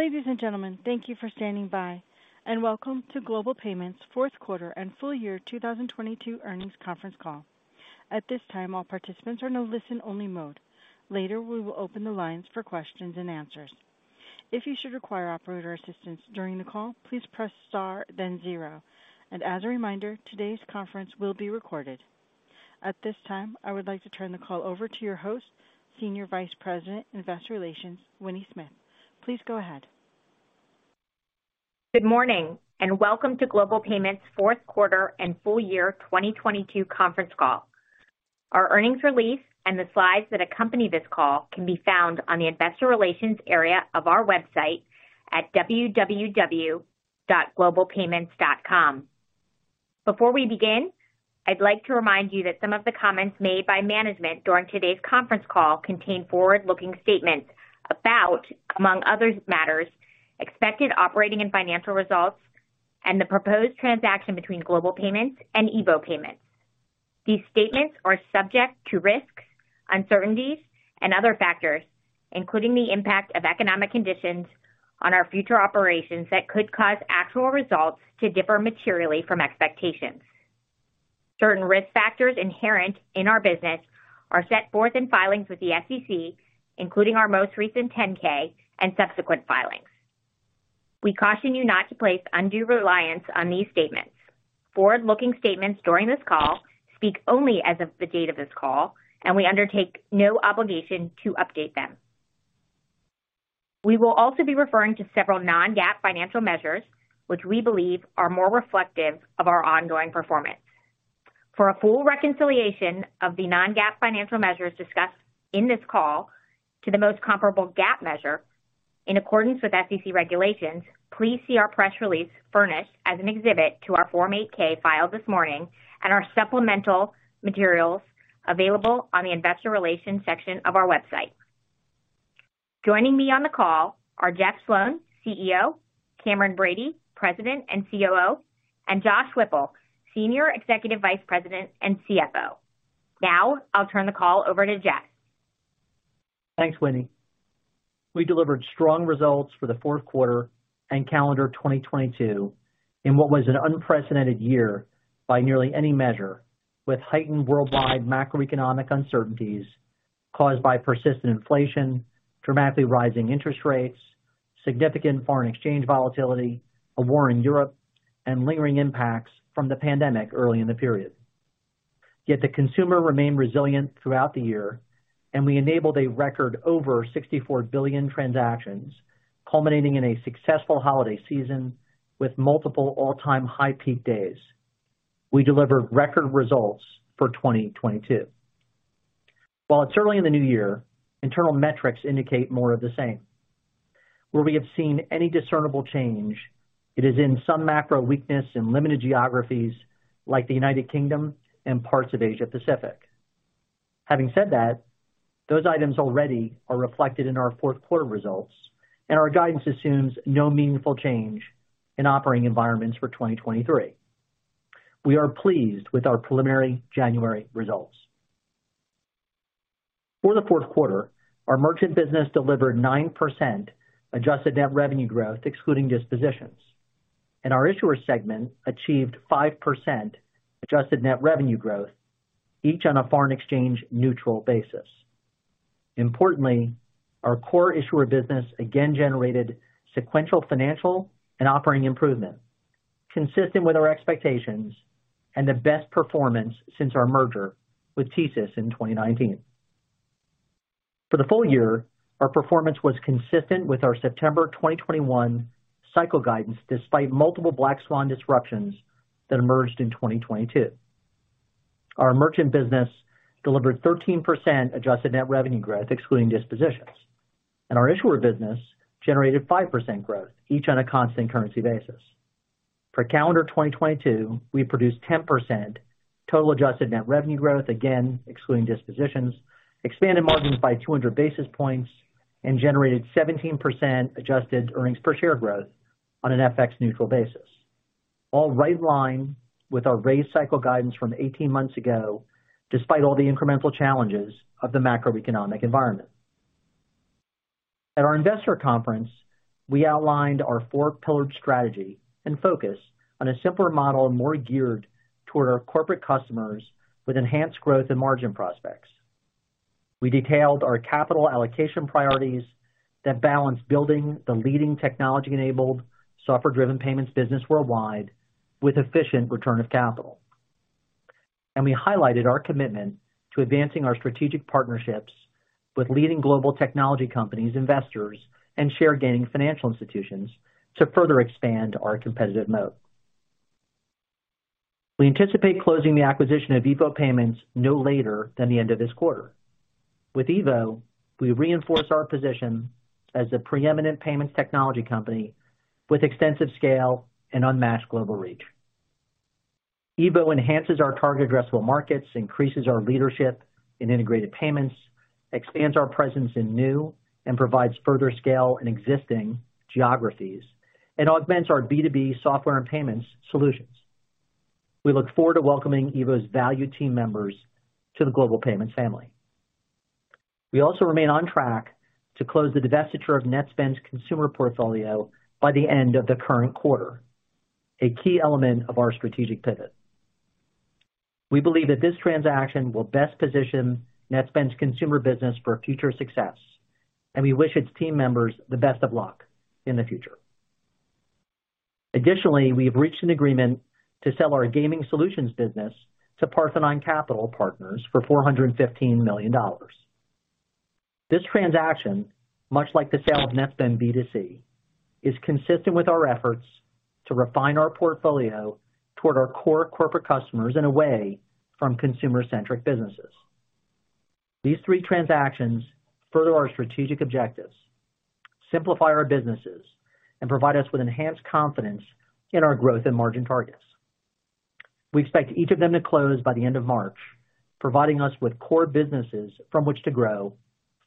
Ladies and gentlemen, thank you for standing by and welcome to Global Payments' fourth quarter and full year 2022 earnings conference call. At this time, all participants are in a listen-only mode. Later, we will open the lines for questions and answers. If you should require operator assistance during the call, please press Star, then zero. As a reminder, today's conference will be recorded. At this time, I would like to turn the call over to your host, Senior Vice President, Investor Relations, Winnie Smith. Please go ahead. Good morning and welcome to Global Payments' fourth quarter and full year 2022 conference call. Our earnings release and the slides that accompany this call can be found on the investor relations area of our website at www.globalpayments.com. Before we begin, I'd like to remind you that some of the comments made by management during today's conference call contain forward-looking statements about, among others matters, expected operating and financial results and the proposed transaction between Global Payments and EVO Payments. These statements are subject to risks, uncertainties, and other factors, including the impact of economic conditions on our future operations that could cause actual results to differ materially from expectations. Certain risk factors inherent in our business are set forth in filings with the SEC, including our most recent 10-K and subsequent filings. We caution you not to place undue reliance on these statements. Forward-looking statements during this call speak only as of the date of this call, and we undertake no obligation to update them. We will also be referring to several Non-GAAP financial measures which we believe are more reflective of our ongoing performance. For a full reconciliation of the Non-GAAP financial measures discussed in this call to the most comparable GAAP measure, in accordance with SEC regulations, please see our press release furnished as an exhibit to our Form 8-K filed this morning and our supplemental materials available on the investor relations section of our website. Joining me on the call are Jeff Sloan, Chief Executive Officer, Cameron Bready, President and Chief Operating Officer, and Josh Whipple, Senior Executive Vice President and Chief Financial Officer. Now, I'll turn the call over to Jeff. Thanks, Winnie. We delivered strong results for the fourth quarter and calendar 2022 in what was an unprecedented year by nearly any measure, with heightened worldwide macroeconomic uncertainties caused by persistent inflation, dramatically rising interest rates, significant foreign exchange volatility, a war in Europe, and lingering impacts from the pandemic early in the period. The consumer remained resilient throughout the year, and we enabled a record over 64 billion transactions, culminating in a successful holiday season with multiple all-time high peak days. We delivered record results for 2022. While it's early in the new year, internal metrics indicate more of the same. Where we have seen any discernible change, it is in some macro weakness in limited geographies like the United Kingdom and parts of Asia Pacific. Having said that, those items already are reflected in our fourth quarter results. Our guidance assumes no meaningful change in operating environments for 2023. We are pleased with our preliminary January results. For the fourth quarter, our merchant business delivered 9% adjusted net revenue growth, excluding dispositions. Our issuer segment achieved 5% adjusted net revenue growth, each on a foreign exchange neutral basis. Importantly, our core issuer business again generated sequential financial and operating improvement consistent with our expectations and the best performance since our merger with TSYS in 2019. For the full year, our performance was consistent with our September 2021 cycle guidance, despite multiple black swan disruptions that emerged in 2022. Our merchant business delivered 13% adjusted net revenue growth, excluding dispositions. Our issuer business generated 5% growth, each on a constant currency basis. For calendar 2022, we produced 10% total adjusted net revenue growth, again excluding dispositions, expanded margins by 200 basis points, and generated 17% adjusted earnings per share growth on an FX neutral basis. All right in line with our raised cycle guidance from 18 months ago, despite all the incremental challenges of the macroeconomic environment. At our investor conference, we outlined our four-pillared strategy and focus on a simpler model more geared toward our corporate customers with enhanced growth and margin prospects. We detailed our capital allocation priorities that balance building the leading technology-enabled software-driven payments business worldwide with efficient return of capital. We highlighted our commitment to advancing our strategic partnerships with leading global technology companies, investors, and share gaining financial institutions to further expand our competitive moat. We anticipate closing the acquisition of EVO Payments no later than the end of this quarter. With EVO, we reinforce our position as the preeminent payments technology company with extensive scale and unmatched global reach. EVO enhances our target addressable markets, increases our leadership in integrated payments, expands our presence in new, and provides further scale in existing geographies, and augments our B2B software and payments solutions. We look forward to welcoming EVO's valued team members to the Global Payments family. We also remain on track to close the divestiture of NetSpend's consumer portfolio by the end of the current quarter, a key element of our strategic pivot. We believe that this transaction will best position NetSpend's consumer business for future success, and we wish its team members the best of luck in the future. Additionally, we have reached an agreement to sell our gaming solutions business to Parthenon Capital Partners for $415 million. This transaction, much like the sale of Netspend B2C, is consistent with our efforts to refine our portfolio toward our core corporate customers and away from consumer-centric businesses. These three transactions further our strategic objectives, simplify our businesses, and provide us with enhanced confidence in our growth and margin targets. We expect each of them to close by the end of March, providing us with core businesses from which to grow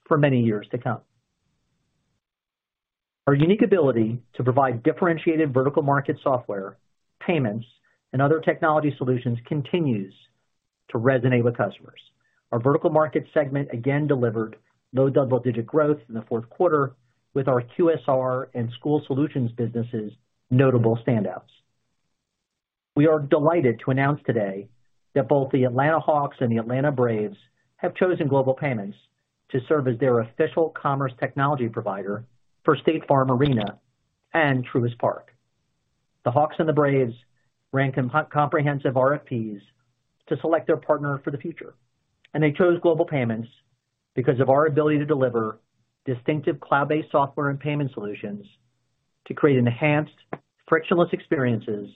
for many years to come. Our unique ability to provide differentiated vertical market software, payments, and other technology solutions continues to resonate with customers. Our vertical market segment again delivered low double-digit growth in the fourth quarter with our QSR and school solutions businesses notable standouts. We are delighted to announce today that both the Atlanta Hawks and the Atlanta Braves have chosen Global Payments to serve as their official commerce technology provider for State Farm Arena and Truist Park. The Hawks and the Braves ran comprehensive RFPs to select their partner for the future, and they chose Global Payments because of our ability to deliver distinctive cloud-based software and payment solutions to create enhanced frictionless experiences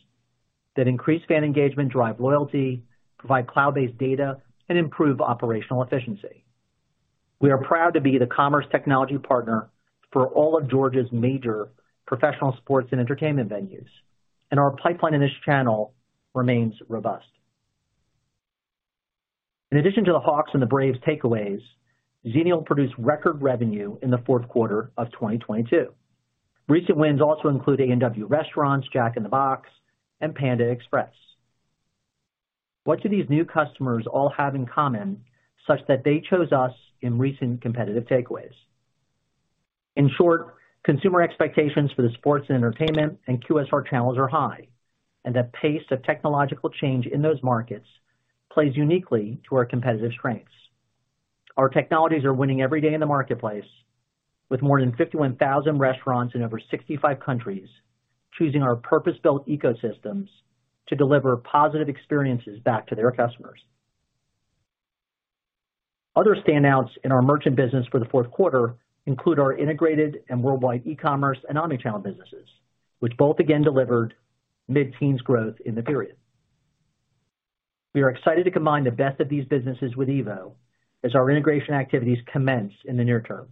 that increase fan engagement, drive loyalty, provide cloud-based data, and improve operational efficiency. We are proud to be the commerce technology partner for all of Georgia's major professional sports and entertainment venues, and our pipeline in this channel remains robust. In addition to the Hawks and the Braves takeaways, Xenial produced record revenue in the fourth quarter of 2022. Recent wins also include A&W Restaurants, Jack in the Box, and Panda Express. What do these new customers all have in common such that they chose us in recent competitive takeaways? In short, consumer expectations for the sports and entertainment and QSR channels are high, and the pace of technological change in those markets plays uniquely to our competitive strengths. Our technologies are winning every day in the marketplace with more than 51,000 restaurants in over 65 countries choosing our purpose-built ecosystems to deliver positive experiences back to their customers. Other standouts in our merchant business for the fourth quarter include our integrated and worldwide e-commerce and omnichannel businesses, which both again delivered mid-teens growth in the period. We are excited to combine the best of these businesses with EVO as our integration activities commence in the near term.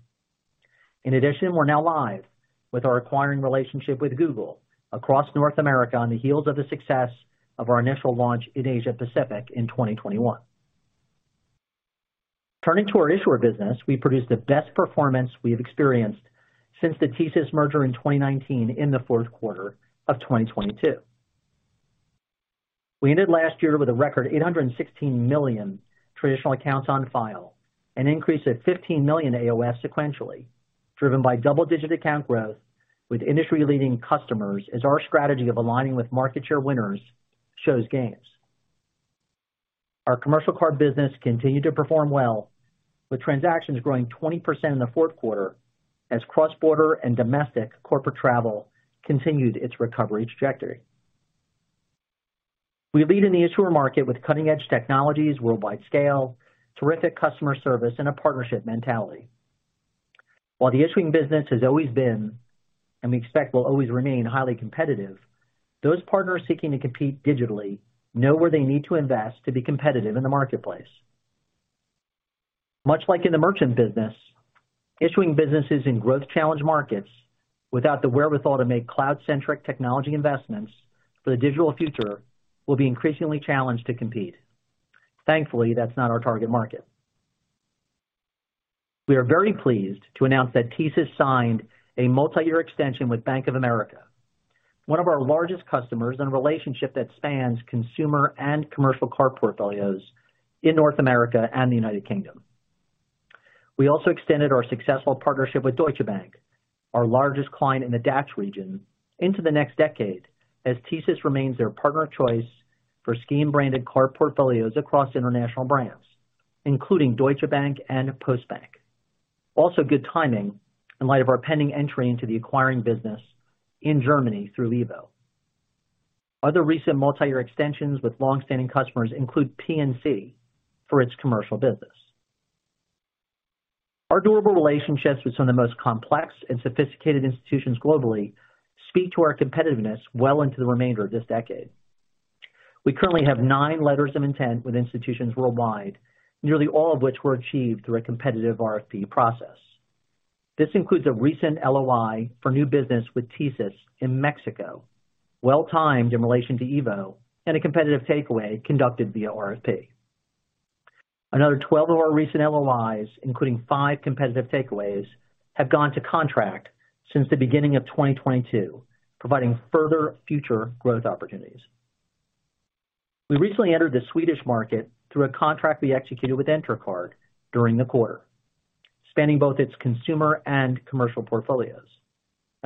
In addition, we're now live with our acquiring relationship with Google across North America on the heels of the success of our initial launch in Asia Pacific in 2021. Turning to our issuer business, we produced the best performance we have experienced since the TSYS merger in 2019 in the fourth quarter of 2022. We ended last year with a record 816 million traditional accounts on file, an increase of 15 million AOS sequentially, driven by double-digit account growth with industry-leading customers as our strategy of aligning with market share winners shows gains. Our commercial card business continued to perform well with transactions growing 20% in the fourth quarter as cross-border and domestic corporate travel continued its recovery trajectory. We lead in the issuer market with cutting-edge technologies, worldwide scale, terrific customer service, and a partnership mentality. While the issuing business has always been, and we expect will always remain, highly competitive, those partners seeking to compete digitally know where they need to invest to be competitive in the marketplace. Much like in the merchant business, issuing businesses in growth-challenged markets without the wherewithal to make cloud-centric technology investments for the digital future will be increasingly challenged to compete. Thankfully, that's not our target market. We are very pleased to announce that TSYS signed a multi-year extension with Bank of America, one of our largest customers in a relationship that spans consumer and commercial card portfolios in North America and the United Kingdom. We also extended our successful partnership with Deutsche Bank, our largest client in the DACH region, into the next decade as TSYS remains their partner of choice for scheme-branded card portfolios across international brands, including Deutsche Bank and Postbank. Good timing in light of our pending entry into the acquiring business in Germany through EVO. Other recent multi-year extensions with long-standing customers include PNC for its commercial business. Our durable relationships with some of the most complex and sophisticated institutions globally speak to our competitiveness well into the remainder of this decade. We currently have 9 letters of intent with institutions worldwide, nearly all of which were achieved through a competitive RFP process. This includes a recent LOI for new business with TSYS in Mexico, well-timed in relation to EVO and a competitive takeaway conducted via RFP. Another 12 of our recent LOIs, including 5 competitive takeaways, have gone to contract since the beginning of 2022, providing further future growth opportunities. We recently entered the Swedish market through a contract we executed with Entercard during the quarter, spanning both its consumer and commercial portfolios.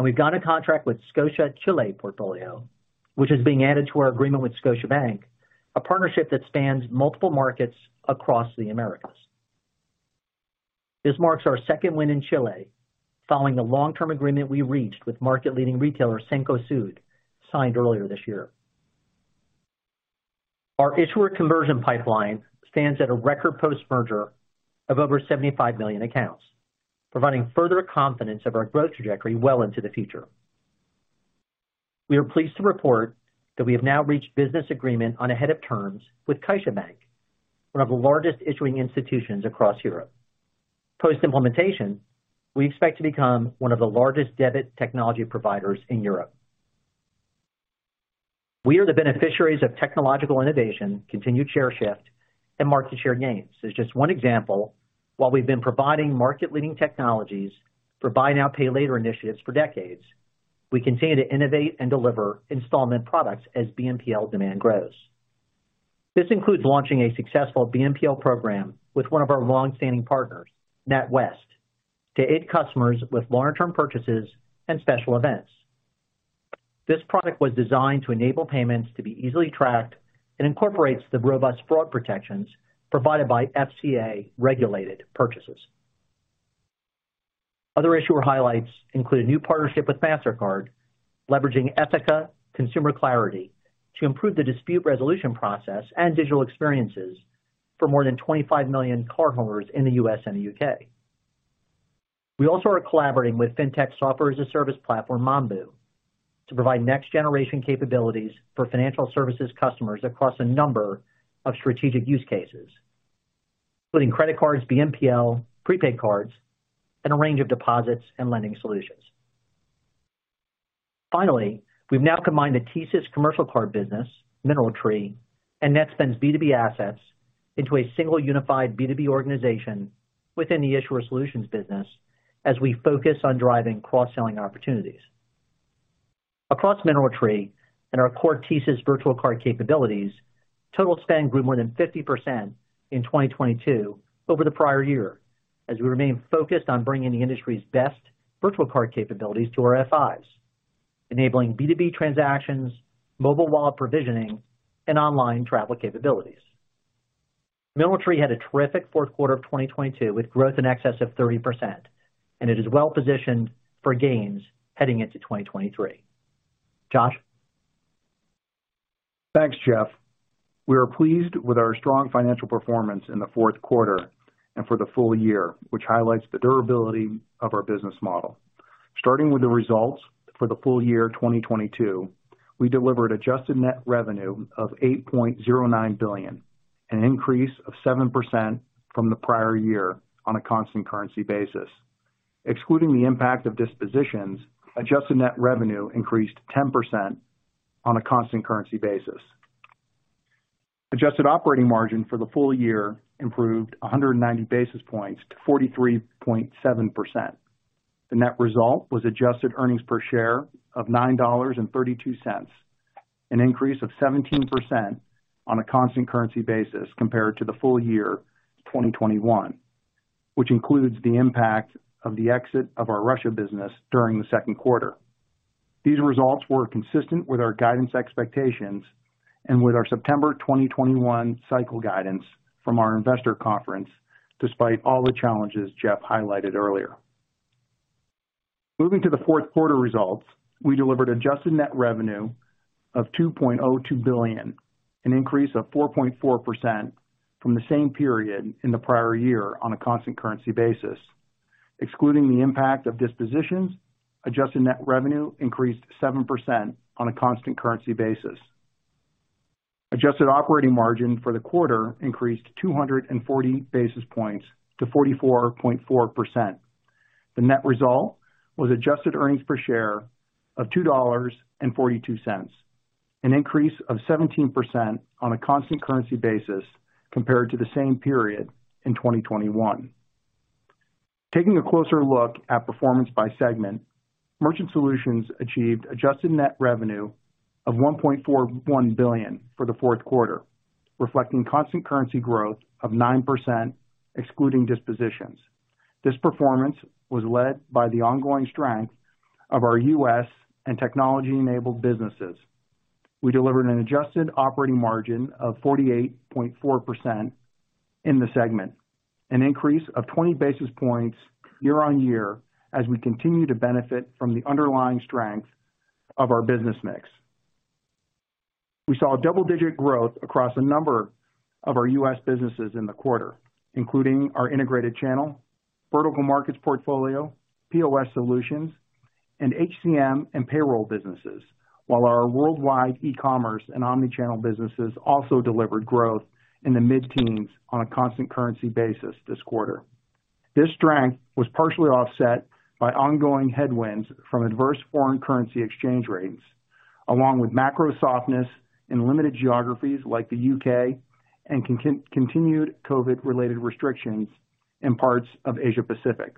We've got a contract with Scotia Chile portfolio, which is being added to our agreement with Scotiabank, a partnership that spans multiple markets across the Americas. This marks our second win in Chile following the long-term agreement we reached with market-leading retailer Cencosud, signed earlier this year. Our issuer conversion pipeline stands at a record post-merger of over 75 million accounts, providing further confidence of our growth trajectory well into the future. We are pleased to report that we have now reached business agreement on A Head of Terms with CaixaBank, one of the largest issuing institutions across Europe. Post-implementation, we expect to become one of the largest debit technology providers in Europe. We are the beneficiaries of technological innovation, continued share shift, and market share gains. As just one example, while we've been providing market-leading technologies for buy now, pay later initiatives for decades, we continue to innovate and deliver installment products as BNPL demand grows. This includes launching a successful BNPL program with one of our long-standing partners, NatWest, to aid customers with long-term purchases and special events. This product was designed to enable payments to be easily tracked and incorporates the robust fraud protections provided by FCA-regulated purchases. Other issuer highlights include a new partnership with Mastercard, leveraging Ethoca Consumer Clarity to improve the dispute resolution process and digital experiences for more than 25 million cardholders in the U.S. and the U.K. We also are collaborating with Fintech Software-as-a-Service platform Mambu to provide next-generation capabilities for financial services customers across a number of strategic use cases, including credit cards, BNPL, prepaid cards, and a range of deposits and lending solutions. We've now combined the TSYS commercial card business, MineralTree, and Netspend's B2B assets into a single unified B2B organization within the issuer solutions business as we focus on driving cross-selling opportunities. Across MineralTree and our core TSYS virtual card capabilities, total spend grew more than 50% in 2022 over the prior year as we remain focused on bringing the industry's best virtual card capabilities to our FIs, enabling B2B transactions, mobile wallet provisioning, and online travel capabilities. MineralTree had a terrific fourth quarter of 2022, with growth in excess of 30%, and it is well positioned for gains heading into 2023. Josh? Thanks, Jeff. We are pleased with our strong financial performance in the fourth quarter and for the full year, which highlights the durability of our business model. Starting with the results for the full year 2022, we delivered adjusted net revenue of $8.09 billion, an increase of 7% from the prior year on a constant currency basis. Excluding the impact of dispositions, adjusted net revenue increased 10% on a constant currency basis. Adjusted operating margin for the full year improved 190 basis points to 43.7%. The net result was adjusted earnings per share of $9.32, an increase of 17% on a constant currency basis compared to the full year 2021, which includes the impact of the exit of our Russia business during the second quarter. These results were consistent with our guidance expectations and with our September 2021 cycle guidance from our investor conference, despite all the challenges Jeff highlighted earlier. Moving to the fourth quarter results, we delivered adjusted net revenue of $2.02 billion, an increase of 4.4% from the same period in the prior year on a constant currency basis. Excluding the impact of dispositions, adjusted net revenue increased 7% on a constant currency basis. Adjusted operating margin for the quarter increased 240 basis points to 44.4%. The net result was adjusted earnings per share of $2.42, an increase of 17% on a constant currency basis compared to the same period in 2021. Taking a closer look at performance by segment, Merchant Solutions achieved adjusted net revenue of $1.41 billion for the fourth quarter, reflecting constant currency growth of 9% excluding dispositions. This performance was led by the ongoing strength of our US and technology-enabled businesses. We delivered an adjusted operating margin of 48.4% in the segment, an increase of 20 basis points year-on-year as we continue to benefit from the underlying strength of our business mix. We saw double-digit growth across a number of our U.S. businesses in the quarter, including our integrated channel, vertical markets portfolio, POS solutions, and HCM and payroll businesses, while our worldwide e-commerce and omni-channel businesses also delivered growth in the mid-teens on a constant currency basis this quarter. This strength was partially offset by ongoing headwinds from adverse foreign currency exchange rates, along with macro softness in limited geographies like the U.K. and continued COVID-related restrictions in parts of Asia Pacific.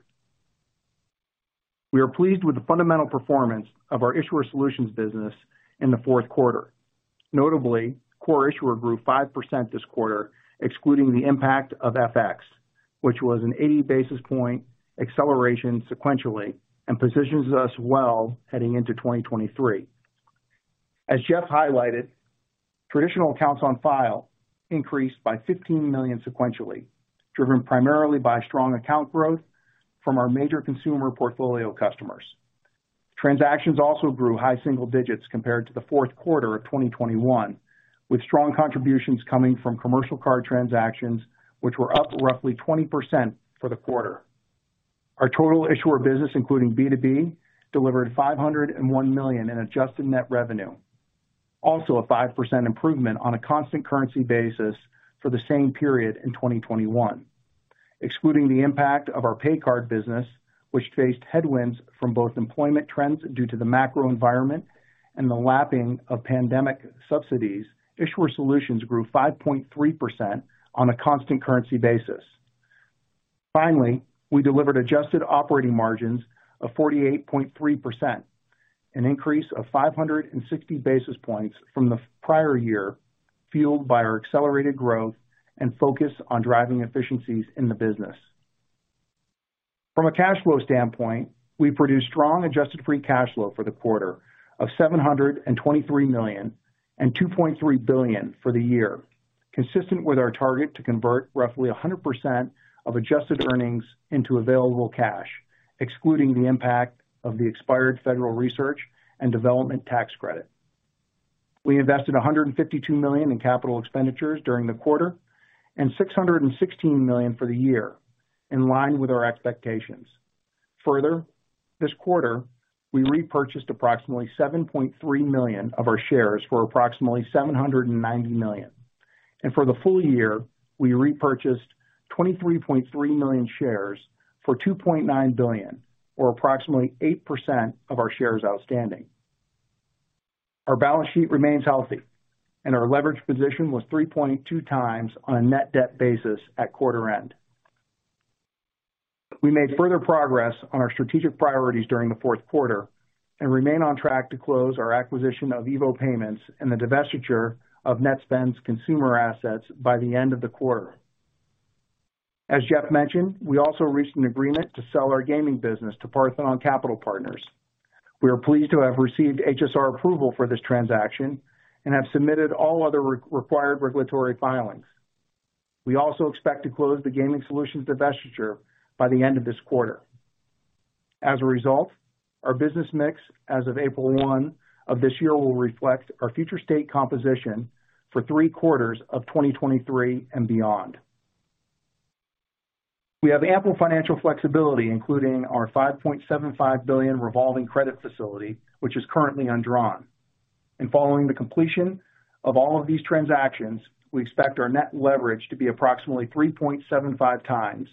We are pleased with the fundamental performance of our issuer solutions business in the fourth quarter. Notably, core issuer grew 5% this quarter, excluding the impact of FX, which was an 80 basis point acceleration sequentially and positions us well heading into 2023. As Jeff highlighted, traditional accounts on file increased by 15 million sequentially, driven primarily by strong account growth from our major consumer portfolio customers. Transactions grew high single digits compared to the fourth quarter of 2021, with strong contributions coming from commercial card transactions, which were up roughly 20% for the quarter. Our total issuer business, including B2B, delivered $501 million in adjusted net revenue. A 5% improvement on a constant currency basis for the same period in 2021. Excluding the impact of our pay card business, which faced headwinds from both employment trends due to the macro environment and the lapping of pandemic subsidies, issuer solutions grew 5.3% on a constant currency basis. Finally, we delivered adjusted operating margins of 48.3%, an increase of 560 basis points from the prior year, fueled by our accelerated growth and focus on driving efficiencies in the business. From a cash flow standpoint, we produced strong adjusted free cash flow for the quarter of $723 million and $2.3 billion for the year, consistent with our target to convert roughly 100% of adjusted earnings into available cash, excluding the impact of the expired federal research and development tax credit. We invested $152 million in capital expenditures during the quarter and $616 million for the year, in line with our expectations. Further, this quarter, we repurchased approximately 7.3 million of our shares for approximately $790 million. For the full year, we repurchased 23.3 million shares for $2.9 billion, or approximately 8% of our shares outstanding. Our balance sheet remains healthy and our leverage position was 3.2x on a net debt basis at quarter end. We made further progress on our strategic priorities during the fourth quarter and remain on track to close our acquisition of EVO Payments and the divestiture of Netspend's consumer assets by the end of the quarter. As Jeff mentioned, we also reached an agreement to sell our gaming business to Parthenon Capital Partners. We are pleased to have received HSR approval for this transaction and have submitted all other re-required regulatory filings. We also expect to close the gaming solutions divestiture by the end of this quarter. As a result, our business mix as of April 1 of this year will reflect our future state composition for three quarters of 2023 and beyond. We have ample financial flexibility, including our $5.75 billion revolving credit facility, which is currently undrawn. Following the completion of all of these transactions, we expect our net leverage to be approximately 3.75x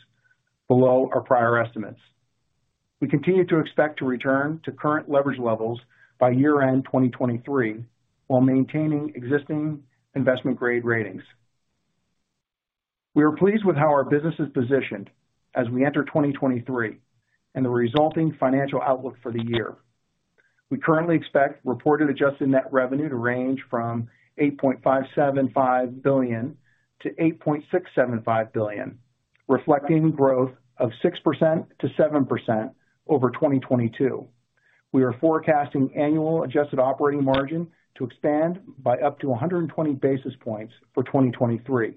below our prior estimates. We continue to expect to return to current leverage levels by year-end 2023 while maintaining existing investment-grade ratings. We are pleased with how our business is positioned as we enter 2023 and the resulting financial outlook for the year. We currently expect reported adjusted net revenue to range from $8.575 billion-$8.675 billion, reflecting growth of 6%-7% over 2022. We are forecasting annual adjusted operating margin to expand by up to 120 basis points for 2023.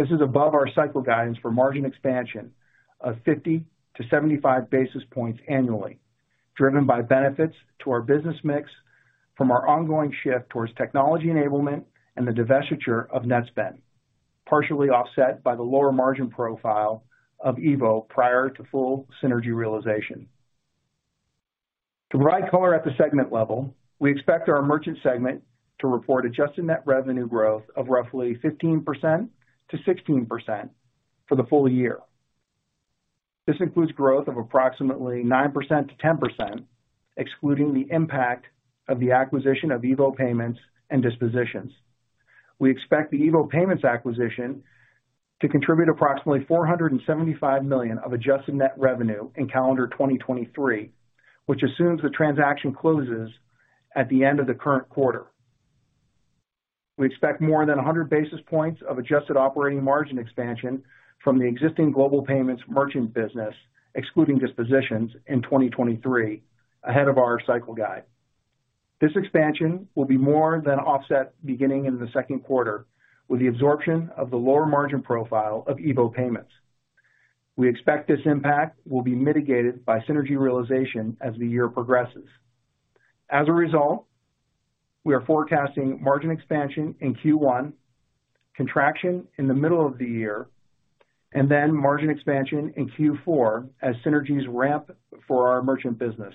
This is above our cycle guidance for margin expansion of 50 basis points-75 basis points annually, driven by benefits to our business mix from our ongoing shift towards technology enablement and the divestiture of Netspend, partially offset by the lower margin profile of EVO prior to full synergy realization. To provide color at the segment level, we expect our merchant segment to report adjusted net revenue growth of roughly 15%-16% for the full year. This includes growth of approximately 9%-10%, excluding the impact of the acquisition of EVO Payments and dispositions. We expect the EVO Payments acquisition to contribute approximately $475 million of adjusted net revenue in calendar 2023, which assumes the transaction closes at the end of the current quarter. We expect more than 100 basis points of adjusted operating margin expansion from the existing Global Payments merchant business, excluding dispositions in 2023, ahead of our cycle guide. This expansion will be more than offset beginning in the second quarter with the absorption of the lower margin profile of EVO Payments. We expect this impact will be mitigated by synergy realization as the year progresses. As a result, we are forecasting margin expansion in Q1, contraction in the middle of the year, and then margin expansion in Q4 as synergies ramp for our merchant business.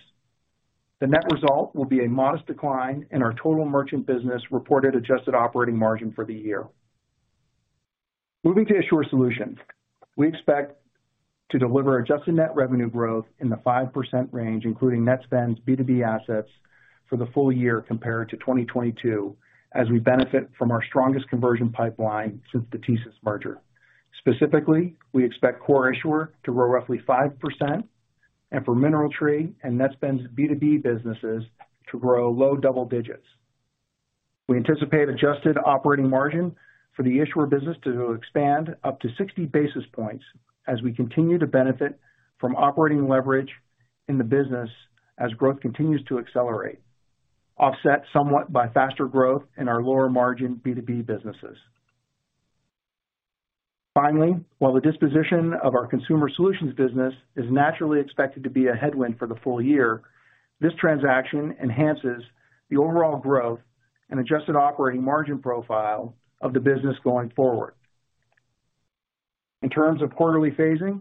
The net result will be a modest decline in our total merchant business reported adjusted operating margin for the year. Moving to issuer solutions. We expect to deliver adjusted net revenue growth in the 5% range, including Netspend's B2B assets for the full year compared to 2022 as we benefit from our strongest conversion pipeline since the TSYS merger. Specifically, we expect core issuer to grow roughly 5% and for MineralTree and Netspend's B2B businesses to grow low double digits. We anticipate adjusted operating margin for the issuer business to expand up to 60 basis points as we continue to benefit from operating leverage in the business as growth continues to accelerate, offset somewhat by faster growth in our lower margin B2B businesses. Finally, while the disposition of our consumer solutions business is naturally expected to be a headwind for the full year, this transaction enhances the overall growth and adjusted operating margin profile of the business going forward. In terms of quarterly phasing,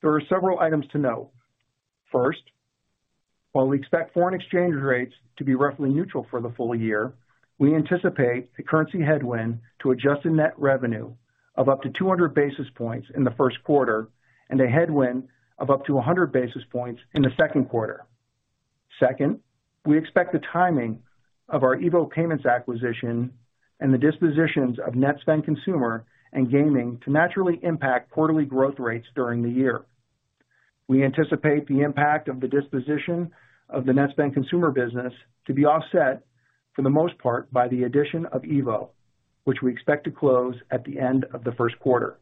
there are several items to note. First, while we expect foreign exchange rates to be roughly neutral for the full year, we anticipate a currency headwind to adjusted net revenue of up to 200 basis points in the first quarter and a headwind of up to 100 basis points in the second quarter. Second, we expect the timing of our EVO Payments acquisition and the dispositions of Netspend consumer and gaming to naturally impact quarterly growth rates during the year. We anticipate the impact of the disposition of the Netspend consumer business to be offset for the most part by the addition of EVO, which we expect to close at the end of the first quarter.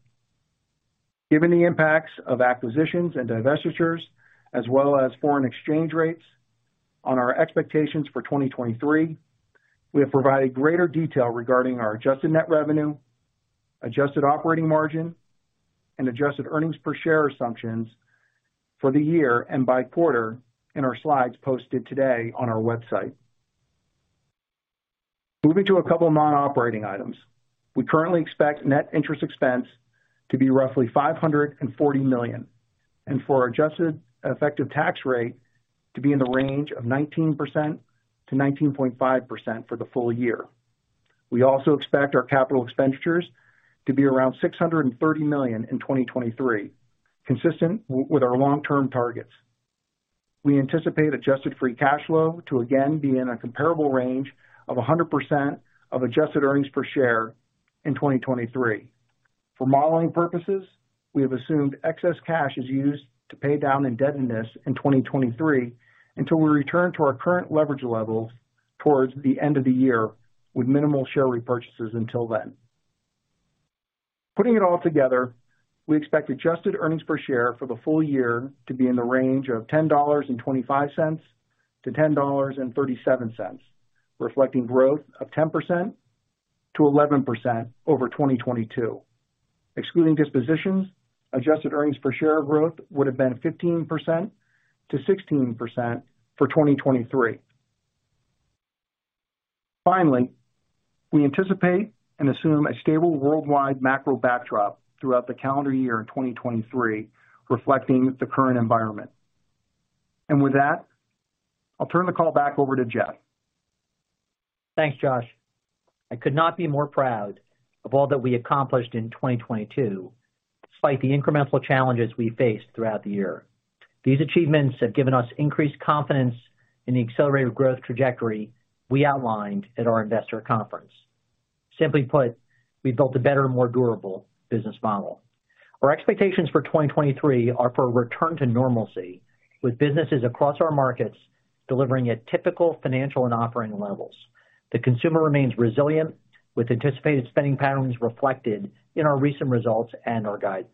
Given the impacts of acquisitions and divestitures as well as foreign exchange rates on our expectations for 2023, we have provided greater detail regarding our adjusted net revenue, adjusted operating margin, and adjusted earnings per share assumptions for the year and by quarter in our slides posted today on our website. Moving to a couple of non-operating items. We currently expect net interest expense to be roughly $540 million, and for our adjusted effective tax rate to be in the range of 19%-19.5% for the full year. We also expect our capital expenditures to be around $630 million in 2023, consistent with our long-term targets. We anticipate adjusted free cash flow to again be in a comparable range of 100% of adjusted earnings per share in 2023. For modeling purposes, we have assumed excess cash is used to pay down indebtedness in 2023 until we return to our current leverage levels towards the end of the year with minimal share repurchases until then. Putting it all together, we expect adjusted earnings per share for the full year to be in the range of $10.25-$10.37, reflecting growth of 10%-11% over 2022. Excluding dispositions, adjusted earnings per share growth would have been 15%-16% for 2023. Finally, we anticipate and assume a stable worldwide macro backdrop throughout the calendar year in 2023, reflecting the current environment. With that, I'll turn the call back over to Jeff. Thanks, Josh. I could not be more proud of all that we accomplished in 2022, despite the incremental challenges we faced throughout the year. These achievements have given us increased confidence in the accelerated growth trajectory we outlined at our investor conference. Simply put, we've built a better and more durable business model. Our expectations for 2023 are for a return to normalcy with businesses across our markets delivering at typical financial and operating levels. The consumer remains resilient, with anticipated spending patterns reflected in our recent results and our guidance.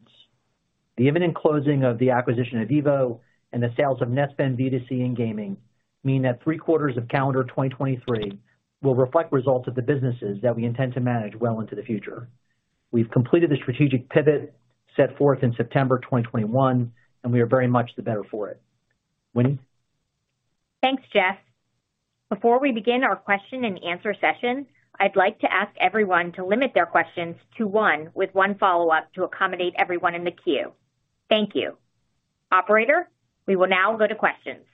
The imminent closing of the acquisition of EVO and the sales of Netspend B2C and gaming mean that three quarters of calendar 2023 will reflect results of the businesses that we intend to manage well into the future. We've completed the strategic pivot set forth in September 2021, and we are very much the better for it. Winnie? Thanks, Jeff. Before we begin our question and answer session, I'd like to ask everyone to limit their questions to one with one follow-up to accommodate everyone in the queue. Thank you. Operator, we will now go to questions.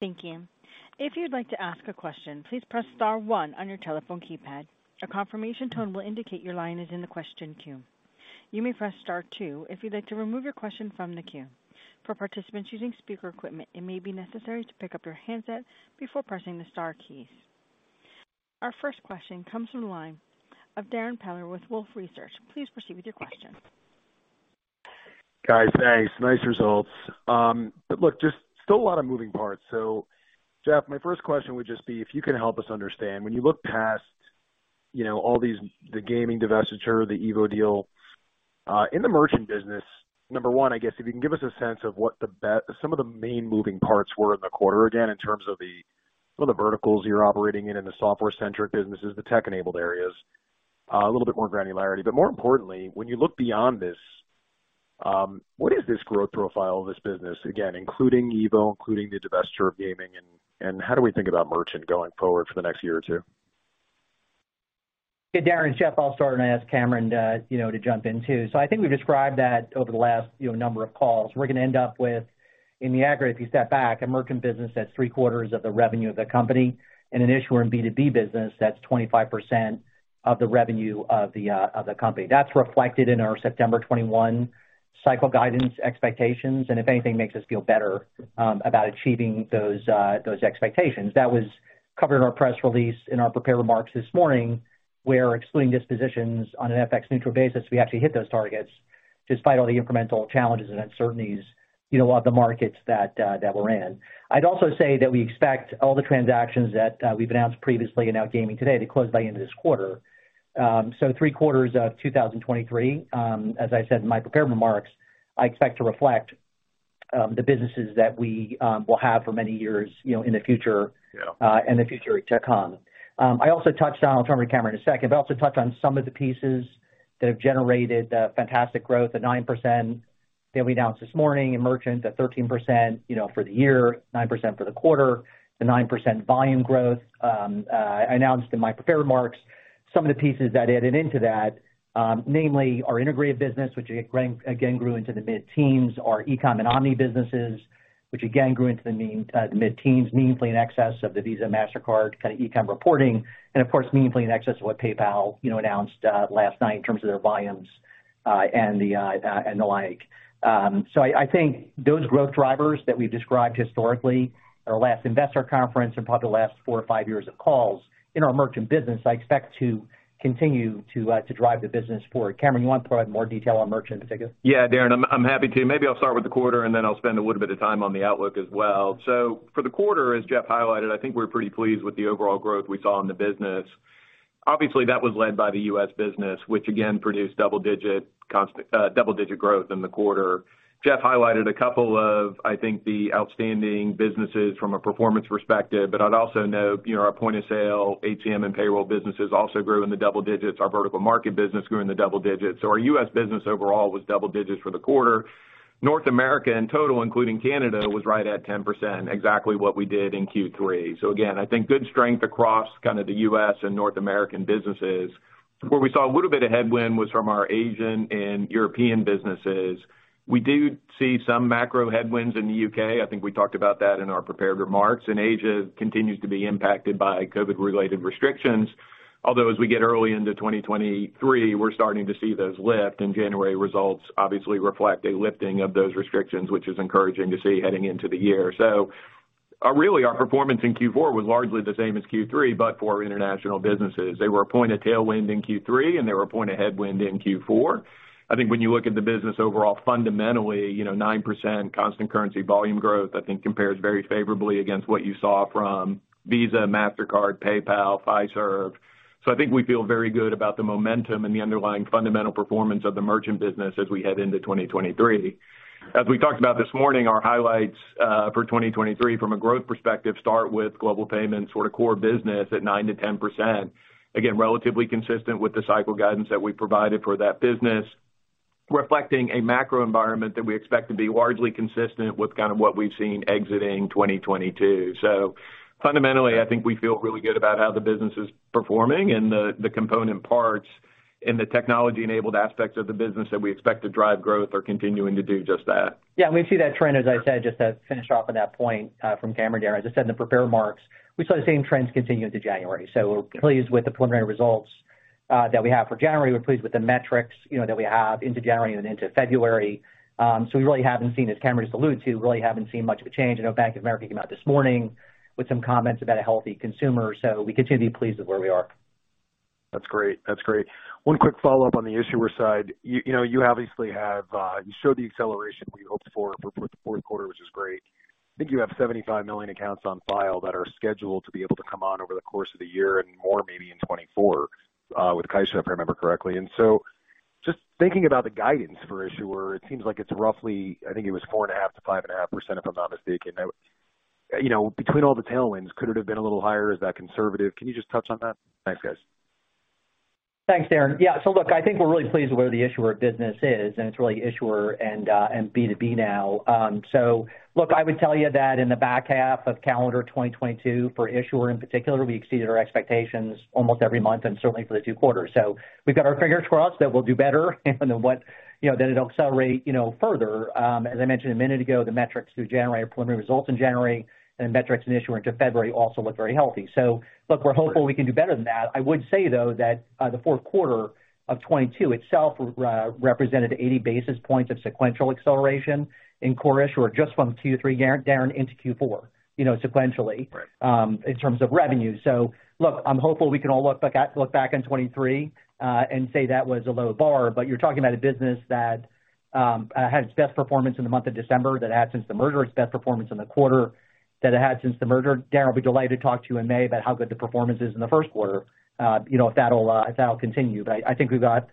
Thank you. If you'd like to ask a question, please press star one on your telephone keypad. A confirmation tone will indicate your line is in the question queue. You may press star two if you'd like to remove your question from the queue. For participants using speaker equipment, it may be necessary to pick up your handset before pressing the star keys. Our first question comes from the line of Darrin Peller with Wolfe Research. Please proceed with your question. Guys, thanks. Nice results. But look, just still a lot of moving parts. Jeff, my first question would just be if you can help us understand when you look past, you know, all these-- the gaming divestiture, the EVO deal, in the merchant business, number one, I guess if you can give us a sense of what some of the main moving parts were in the quarter, again, in terms of the, some of the verticals you're operating in the software-centric businesses, the tech-enabled areas, a little bit more granularity. More importantly, when you look beyond this, what is this growth profile of this business, again, including EVO, including the divestiture of gaming, and how do we think about merchant going forward for the next year or two? Yeah, Darrin, Jeff, I'll start and ask Cameron to, you know, to jump in too. I think we've described that over the last, you know, number of calls. We're gonna end up with, in the aggregate, if you step back, a merchant business that's three quarters of the revenue of the company and an issuer in B2B business that's 25% of the revenue of the company. That's reflected in our September 2021 cycle guidance expectations. If anything makes us feel better about achieving those expectations. That was covered in our press release in our prepared remarks this morning, where excluding dispositions on an FX-neutral basis, we actually hit those targets despite all the incremental challenges and uncertainties, you know, of the markets that we're in. I'd also say that we expect all the transactions that we've announced previously and are out gaming today to close by end of this quarter. So three quarters of 2023, as I said in my prepared remarks, I expect to reflect the businesses that we will have for many years, you know, in the future. Yeah in the future to come. I also touched on, I'll turn to Cameron in a second, but I also touched on some of the pieces that have generated fantastic growth at 9% that we announced this morning in merchant at 13%, you know, for the year, 9% for the quarter. The 9% volume growth, I announced in my prepared remarks some of the pieces that added into that, namely our integrated business, which again grew into the mid-teens, our e-com and omni businesses, which again grew into the mid-teens, meaningfully in excess of the Visa, Mastercard kind of e-com reporting and of course meaningfully in excess of what PayPal, you know, announced last night in terms of their volumes and the like. I think those growth drivers that we've described historically at our last investor conference and probably the last 4 or 5 years of calls in our merchant business, I expect to continue to drive the business forward. Cameron, you want to provide more detail on merchant in particular? Yeah, Darrin, I'm happy to. Maybe I'll start with the quarter and then I'll spend a little bit of time on the outlook as well. For the quarter, as Jeff highlighted, I think we're pretty pleased with the overall growth we saw in the business. Obviously, that was led by the US business, which again produced double-digit growth in the quarter. Jeff highlighted a couple of, I think, the outstanding businesses from a performance perspective, but I'd also note, you know, our point of sale, ATM and payroll businesses also grew in the double digits. Our vertical market business grew in the double digits. Our US business overall was double digits for the quarter. North America in total, including Canada, was right at 10%, exactly what we did in Q3. Again, I think good strength across kind of the U.S. and North American businesses. Where we saw a little bit of headwind was from our Asian and European businesses. We do see some macro headwinds in the U.K. I think we talked about that in our prepared remarks. Asia continues to be impacted by COVID-related restrictions. Although as we get early into 2023, we're starting to see those lift and January results obviously reflect a lifting of those restrictions, which is encouraging to see heading into the year. Really our performance in Q4 was largely the same as Q3, but for international businesses. They were a point of tailwind in Q3 and they were a point of headwind in Q4. I think when you look at the business overall fundamentally, you know, 9% constant currency volume growth I think compares very favorably against what you saw from Visa, Mastercard, PayPal, Fiserv. I think we feel very good about the momentum and the underlying fundamental performance of the merchant business as we head into 2023. As we talked about this morning, our highlights for 2023 from a growth perspective start with Global Payments sort of core business at 9%-10%. Again, relatively consistent with the cycle guidance that we provided for that business, reflecting a macro environment that we expect to be largely consistent with kind of what we've seen exiting 2022. Fundamentally, I think we feel really good about how the business is performing and the component parts and the technology-enabled aspects of the business that we expect to drive growth are continuing to do just that. We see that trend, as I said, just to finish off on that point, from Cameron, Darrin. As I said in the prepared remarks, we saw the same trends continue into January. We're pleased with the preliminary results that we have for January. We're pleased with the metrics, you know, that we have into January and into February. We really haven't seen, as Cameron just alluded to, really haven't seen much of a change. I know Bank of America came out this morning with some comments about a healthy consumer. We continue to be pleased with where we are. That's great. That's great. One quick follow-up on the issuer side. You know, you obviously have, you showed the acceleration we hoped for the fourth quarter, which is great. I think you have 75 million accounts on file that are scheduled to be able to come on over the course of the year and more maybe in 2024 with Caixa, if I remember correctly. Just thinking about the guidance for issuer, it seems like it's roughly I think it was 4.5%-5.5%, if I'm not mistaken. You know, between all the tailwinds, could it have been a little higher? Is that conservative? Can you just touch on that? Thanks, guys. Thanks, Darrin. Yeah, look, I think we're really pleased with where the issuer business is, and it's really issuer and B2B now. Look, I would tell you that in the back half of calendar 2022, for issuer in particular, we exceeded our expectations almost every month and certainly for the two quarters. We've got our fingers crossed that we'll do better and what, you know, that it'll accelerate, you know, further. As I mentioned a minute ago, the metrics through January, preliminary results in January and metrics in issuer into February also look very healthy. Look, we're hopeful we can do better than that. I would say, though, that the fourth quarter of 2022 itself represented 80 basis points of sequential acceleration in core issuer just from Q3, Darrin, into Q4, you know, sequentially. Right in terms of revenue. Look, I'm hopeful we can all look back on 2023 and say that was a low bar, but you're talking about a business that had its best performance in the month of December that it had since the merger, its best performance in the quarter that it had since the merger. Darrin, I'll be delighted to talk to you in May about how good the performance is in the first quarter, you know, if that'll continue. I think we've got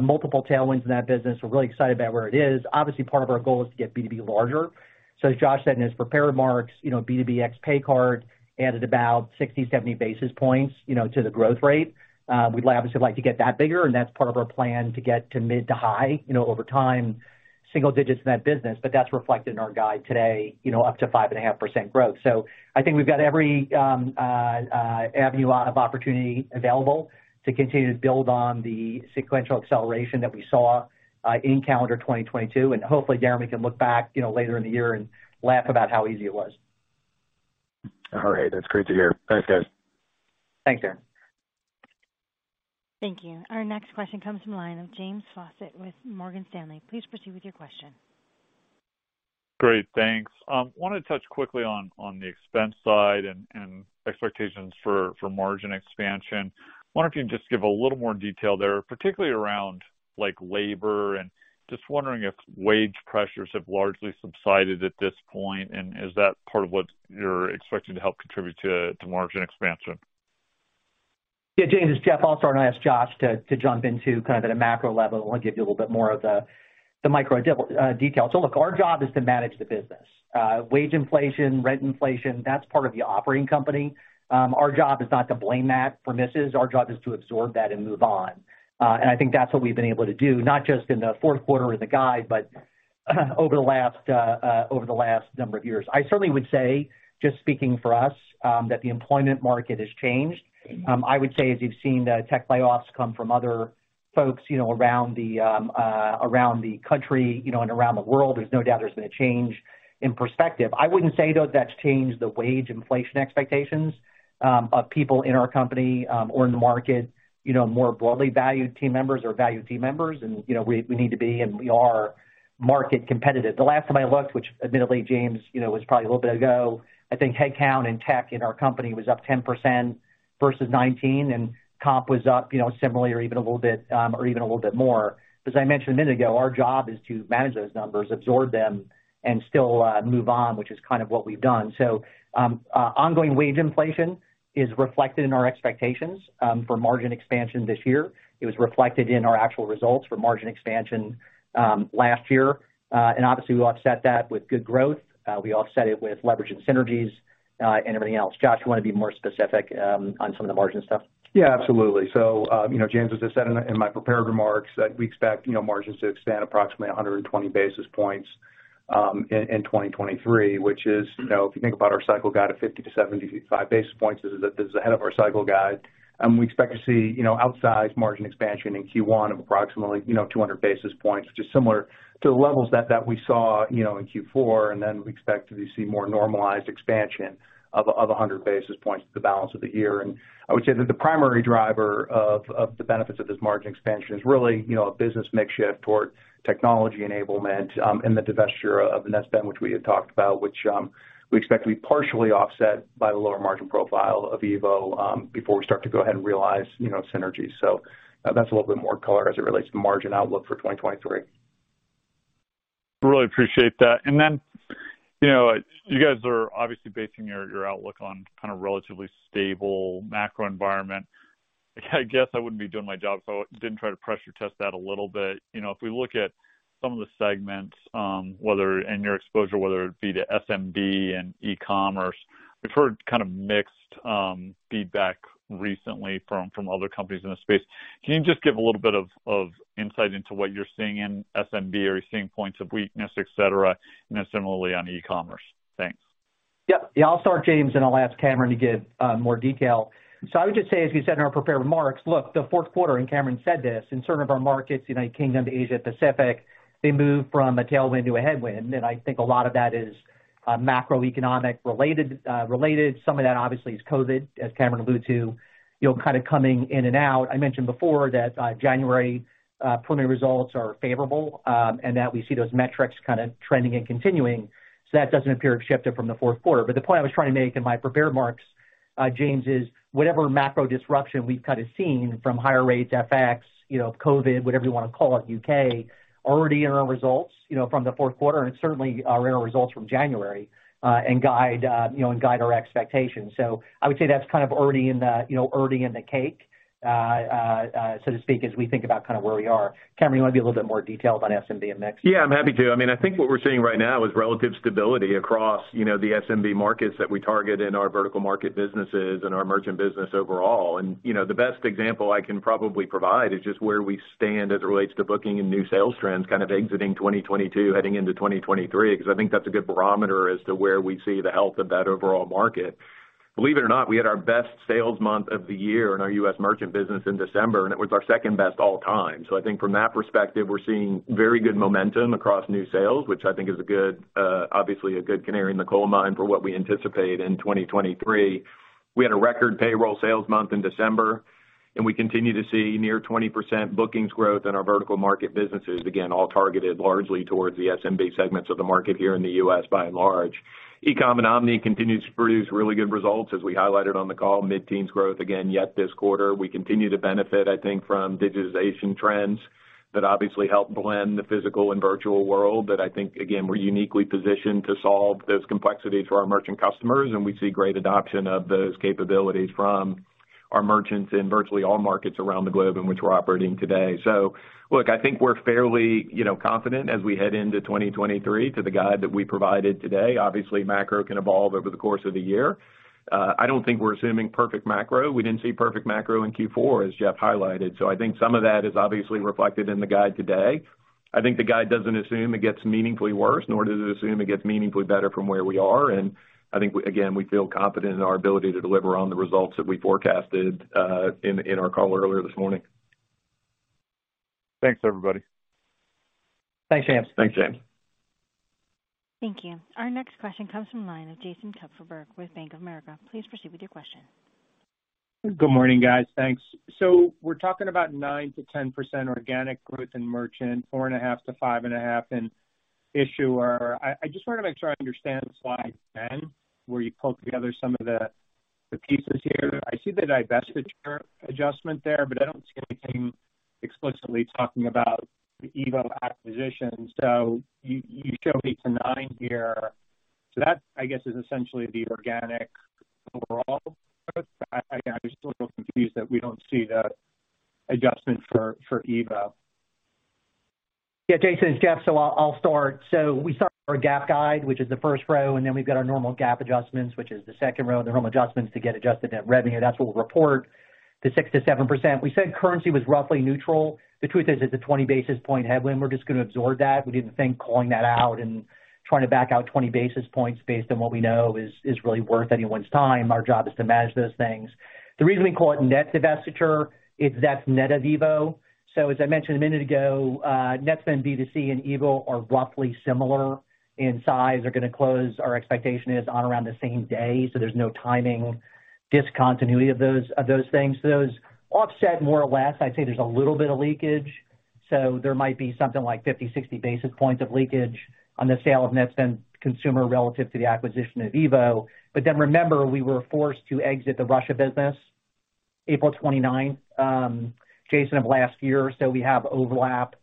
multiple tailwinds in that business. We're really excited about where it is. Obviously, part of our goal is to get B2B larger. As Josh said in his prepared remarks, you know, B2B X Pay card added about 60, 70 basis points, you know, to the growth rate. We'd obviously like to get that bigger, and that's part of our plan to get to mid to high, you know, over time, single digits in that business. That's reflected in our guide today, you know, up to 5.5% growth. I think we've got every avenue of opportunity available to continue to build on the sequential acceleration that we saw in calendar 2022. Hopefully, Darrin, we can look back, you know, later in the year and laugh about how easy it was. All right. That's great to hear. Thanks, guys. Thanks, Darrin. Thank you. Our next question comes from the line of James Faucette with Morgan Stanley. Please proceed with your question. Great. Thanks. Wanted to touch quickly on the expense side and expectations for margin expansion. Wonder if you can just give a little more detail there, particularly around, like, labor, and just wondering if wage pressures have largely subsided at this point, and is that part of what you're expecting to help contribute to margin expansion? James, it's Jeff. I'll start, and I'll ask Josh to jump in too. Kind of at a macro level, I wanna give you a little bit more of the micro detail. Look, our job is to manage the business. Wage inflation, rent inflation, that's part of the operating company. Our job is not to blame that for misses. Our job is to absorb that and move on. I think that's what we've been able to do, not just in the fourth quarter or the guide, but over the last number of years. I certainly would say, just speaking for us, that the employment market has changed. I would say as you've seen the tech layoffs come from other folks around the country and around the world, there's no doubt there's been a change in perspective. I wouldn't say, though, that's changed the wage inflation expectations of people in our company or in the market. More broadly valued team members are valued team members and we need to be, and we are market competitive. The last time I looked, which admittedly, James, was probably a little bit ago, I think headcount in tech in our company was up 10% versus 2019, and comp was up similarly or even a little bit or even a little bit more. As I mentioned a minute ago, our job is to manage those numbers, absorb them, and still move on, which is kind of what we've done. Ongoing wage inflation is reflected in our expectations for margin expansion this year. It was reflected in our actual results for margin expansion last year. Obviously we offset that with good growth. We offset it with leverage and synergies and everything else. Josh, you wanna be more specific on some of the margin stuff? Yeah, absolutely. You know, James, as I said in my prepared remarks that we expect, you know, margins to expand approximately 120 basis points in 2023, which is, you know, if you think about our cycle guide of 50-75 basis points, this is ahead of our cycle guide. We expect to see, you know, outsized margin expansion in Q1 of approximately 200 basis points, which is similar to the levels that we saw, you know, in Q4. Then we expect to see more normalized expansion of 100 basis points the balance of the year. I would say that the primary driver of the benefits of this margin expansion is really, you know, a business mix shift toward technology enablement, and the divestiture of Netspend, which we had talked about, which, we expect to be partially offset by the lower margin profile of EVO, before we start to go ahead and realize, you know, synergies. So that's a little bit more color as it relates to margin outlook for 2023. Really appreciate that. You know, you guys are obviously basing your outlook on kind of relatively stable macro environment. I guess I wouldn't be doing my job if I didn't try to pressure test that a little bit. You know, if we look at some of the segments, whether and your exposure, whether it be to SMB and e-commerce, we've heard kind of mixed feedback recently from other companies in the space. Can you just give a little bit of insight into what you're seeing in SMB? Are you seeing points of weakness, et cetera, and then similarly on e-commerce? Thanks. Yeah. Yeah, I'll start, James, and I'll ask Cameron to give more detail. I would just say, as we said in our prepared remarks, look, the fourth quarter, and Cameron said this, in certain of our markets, United Kingdom to Asia Pacific, they moved from a tailwind to a headwind, and I think a lot of that is macroeconomic related. Some of that obviously is COVID, as Cameron alluded to, you know, kind of coming in and out. I mentioned before that January preliminary results are favorable, and that we see those metrics kind of trending and continuing, so that doesn't appear to have shifted from the fourth quarter. The point I was trying to make in my prepared remarks, James, is whatever macro disruption we've kind of seen from higher rates, FX, you know, COVID, whatever you wanna call it, UK, already in our results, you know, from the fourth quarter, and certainly are in our results from January, and guide, you know, and guide our expectations. I would say that's kind of already in the, you know, already in the cake, so to speak, as we think about kind of where we are. Cameron, you wanna be a little bit more detailed about SMB and mix? Yeah, I'm happy to. I mean, I think what we're seeing right now is relative stability across, you know, the SMB markets that we target in our vertical market businesses and our merchant business overall. You know, the best example I can probably provide is just where we stand as it relates to booking and new sales trends kind of exiting 2022, heading into 2023, 'cause I think that's a good barometer as to where we see the health of that overall market. Believe it or not, we had our best sales month of the year in our US merchant business in December, and it was our second best all time. I think from that perspective, we're seeing very good momentum across new sales, which I think is a good, obviously a good canary in the coal mine for what we anticipate in 2023. We had a record payroll sales month in December. We continue to see near 20% bookings growth in our vertical market businesses. Again, all targeted largely towards the SMB segments of the market here in the U.S. by and large. E-com and omni continues to produce really good results, as we highlighted on the call, mid-teens growth again yet this quarter. We continue to benefit, I think, from digitization trends that obviously help blend the physical and virtual world that I think, again, we're uniquely positioned to solve those complexities for our merchant customers, and we see great adoption of those capabilities from our merchants in virtually all markets around the globe in which we're operating today. Look, I think we're fairly, you know, confident as we head into 2023 to the guide that we provided today. Obviously, macro can evolve over the course of the year. I don't think we're assuming perfect macro. We didn't see perfect macro in Q4, as Jeff highlighted, so I think some of that is obviously reflected in the guide today. I think the guide doesn't assume it gets meaningfully worse, nor does it assume it gets meaningfully better from where we are. I think we again feel confident in our ability to deliver on the results that we forecasted in our call earlier this morning. Thanks, everybody. Thanks, James. Thanks, James. Thank you. Our next question comes from line of Jason Kupferberg with Bank of America. Please proceed with your question. Good morning, guys. Thanks. We're talking about 9%-10% organic growth in merchant, 4.5%-5.5% in issuer. I just wanna make sure I understand slide 10, where you pulled together some of the pieces here. I see the divestiture adjustment there, but I don't see anything explicitly talking about the EVO acquisition. You show 8%-9% here. That, I guess, is essentially the organic overall. I'm just a little confused that we don't see the adjustment for EVO. Yeah, Jason, it's Jeff. I'll start. We start our GAAP guide, which is the first row, and then we've got our normal GAAP adjustments, which is the second row, the home adjustments to get adjusted net revenue. That's what we'll report to 6%-7%. We said currency was roughly neutral. The truth is it's a 20 basis point headwind. We're just gonna absorb that. We didn't think calling that out and trying to back out 20 basis points based on what we know is really worth anyone's time. Our job is to manage those things. The reason we call it net divestiture is that's net of EVO. As I mentioned a minute ago, Netspend B2C and EVO are roughly similar in size. They're going to close, our expectation is, on around the same day, so there's no timing discontinuity of those, of those things. Those offset more or less. I'd say there's a little bit of leakage. There might be something like 50 basis points, 60 basis points of leakage on the sale of Netspend Consumer relative to the acquisition of EVO. Remember, we were forced to exit the Russia business April 29th, Jason, of last year. We have overlap,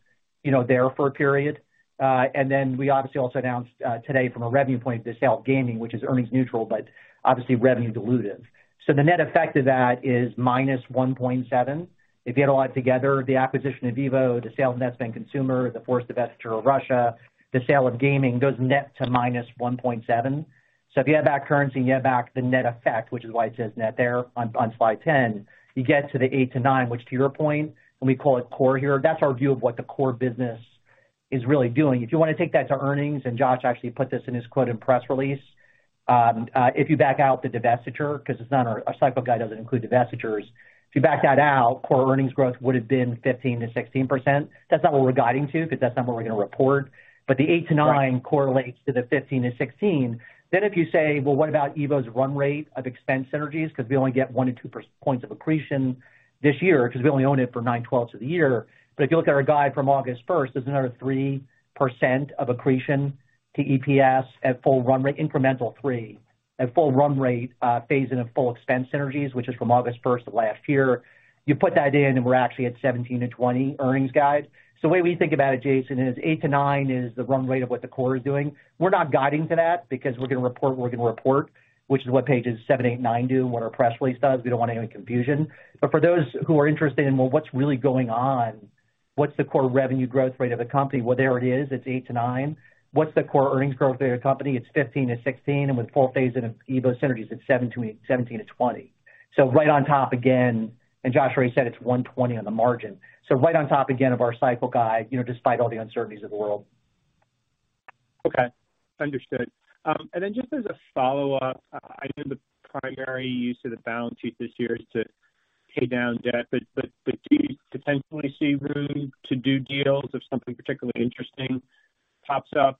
you know, there for a period. We obviously also announced today from a revenue point the sale of gaming, which is earnings neutral, but obviously revenue dilutive. The net effect of that is -$1.7. If you add a lot together, the acquisition of EVO, the sale of Netspend Consumer, the forced divestiture of Russia, the sale of gaming goes net to -$1.7. If you add back currency and you add back the net effect, which is why it says net there on Slide 10, you get to the 8%-9%, which to your point, and we call it core here. That's our view of what the core business is really doing. If you wanna take that to earnings, and Josh actually put this in his quoted press release, if you back out the divestiture because it's not our cycle guide doesn't include divestitures. If you back that out, core earnings growth would have been 15%-16%. That's not what we're guiding to because that's not what we're gonna report. The 8%-9% correlates to the 15%-16%. If you say, "Well, what about EVO's run rate of expense synergies?" Because we only get 1 percentage points-2 percentage points of accretion this year because we only own it for 9/12 of the year. If you look at our guide from August 1st, there's another 3% of accretion to EPS at full run rate, incremental 3%. At full run rate, phase in of full expense synergies, which is from August 1st of last year. You put that in, and we're actually at 17%-20% earnings guide. The way we think about it, Jason, is 8%-9% is the run rate of what the core is doing. We're not guiding to that because we're gonna report what we're gonna report, which is what page 7,page 8,page 9 do and what our press release does. We don't want any confusion. For those who are interested in, well, what's really going on, what's the core revenue growth rate of the company? There it is. It's 8%-9%. What's the core earnings growth rate of the company? It's 15%-16%. With full phase in of EVO synergies, it's 17%-20%. Right on top again, and Josh already said it's 120 on the margin. Right on top again of our cycle guide, you know, despite all the uncertainties of the world. Okay. Understood. Just as a follow-up, I know the primary use of the balance sheet this year is to pay down debt, but do you potentially see room to do deals if something particularly interesting pops up?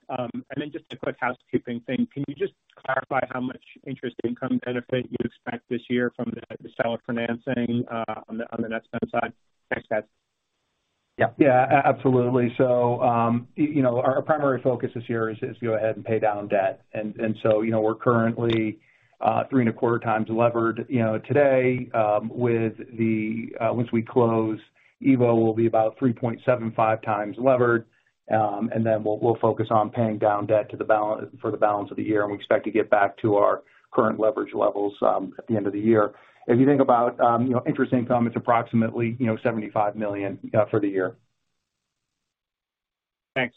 Just a quick housekeeping thing. Can you just clarify how much interest income benefit you expect this year from the seller financing, on the Netspend side? Thanks, guys. Yeah. Absolutely. you know, our primary focus this year is go ahead and pay down debt. We're currently 3.2x levered, you know, today, with the once we close, EVO will be about 3.75x levered. Then we'll focus on paying down debt for the balance of the year. We expect to get back to our current leverage levels at the end of the year. If you think about, you know, interest income, it's approximately, you know, $75 million for the year. Thanks.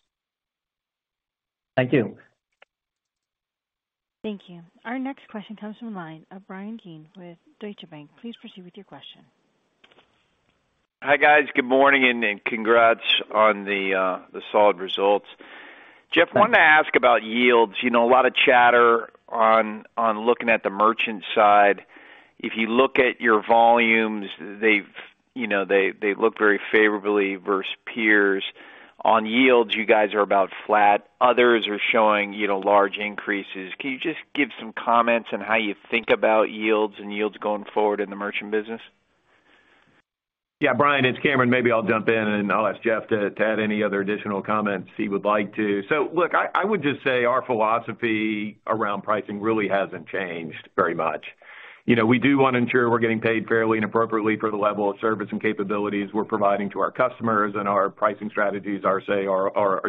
Thank you. Thank you. Our next question comes from line of Bryan Keane with Deutsche Bank. Please proceed with your question. Hi, guys. Good morning and congrats on the solid results. Jeff, wanted to ask about yields. You know, a lot of chatter on looking at the merchant side. If you look at your volumes, they've, you know, they look very favorably versus peers. On yields, you guys are about flat. Others are showing, you know, large increases. Can you just give some comments on how you think about yields and yields going forward in the merchant business? Yeah, Bryan, it's Cameron. Maybe I'll jump in, and I'll ask Jeff to add any other additional comments he would like to. Look, I would just say our philosophy around pricing really hasn't changed very much. You know, we do wanna ensure we're getting paid fairly and appropriately for the level of service and capabilities we're providing to our customers, and our pricing strategies are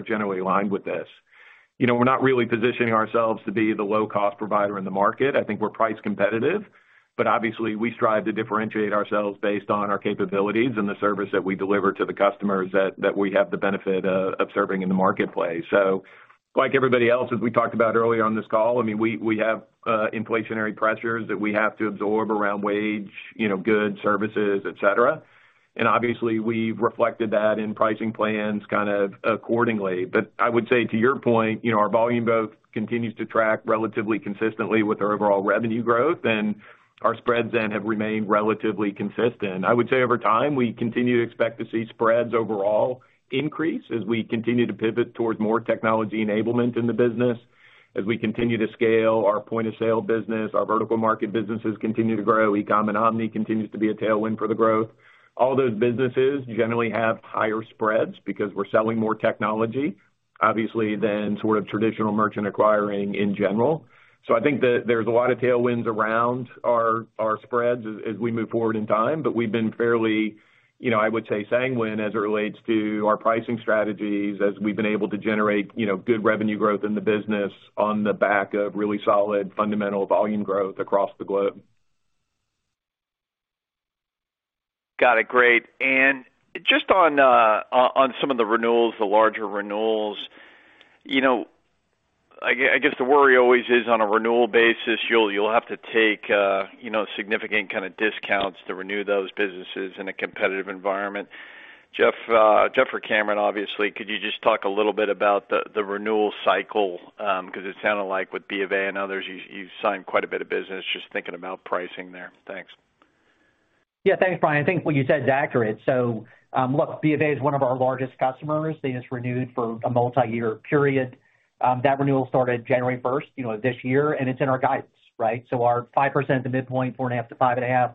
generally aligned with this. You know, we're not really positioning ourselves to be the low-cost provider in the market. I think we're price competitive, but obviously we strive to differentiate ourselves based on our capabilities and the service that we deliver to the customers that we have the benefit of serving in the marketplace. Like everybody else, as we talked about earlier on this call, I mean, we have inflationary pressures that we have to absorb around wage, you know, goods, services, et cetera. Obviously we've reflected that in pricing plans kind of accordingly. I would say to your point, you know, our volume both continues to track relatively consistently with our overall revenue growth and our spreads have remained relatively consistent. I would say over time, we continue to expect to see spreads overall increase as we continue to pivot towards more technology enablement in the business, as we continue to scale our point-of-sale business, our vertical market businesses continue to grow. E-com and omni continues to be a tailwind for the growth. All those businesses generally have higher spreads because we're selling more technology obviously than sort of traditional merchant acquiring in general. I think that there's a lot of tailwinds around our spreads as we move forward in time, but we've been fairly, you know, I would say sanguine as it relates to our pricing strategies as we've been able to generate, you know, good revenue growth in the business on the back of really solid fundamental volume growth across the globe. Got it. Great. Just on some of the renewals, the larger renewals. You know, I guess the worry always is on a renewal basis you'll have to take, you know, significant kind of discounts to renew those businesses in a competitive environment. Jeff or Cameron, obviously, could you just talk a little bit about the renewal cycle? Because it sounded like with BofA and others, you signed quite a bit of business. Just thinking about pricing there. Thanks. Yeah. Thanks, Bryan. I think what you said is accurate. Look, BofA is one of our largest customers. They just renewed for a multi-year period. That renewal started January 1st, you know, this year, and it's in our guidance, right? Our 5% at the midpoint, 4.5%-5.5%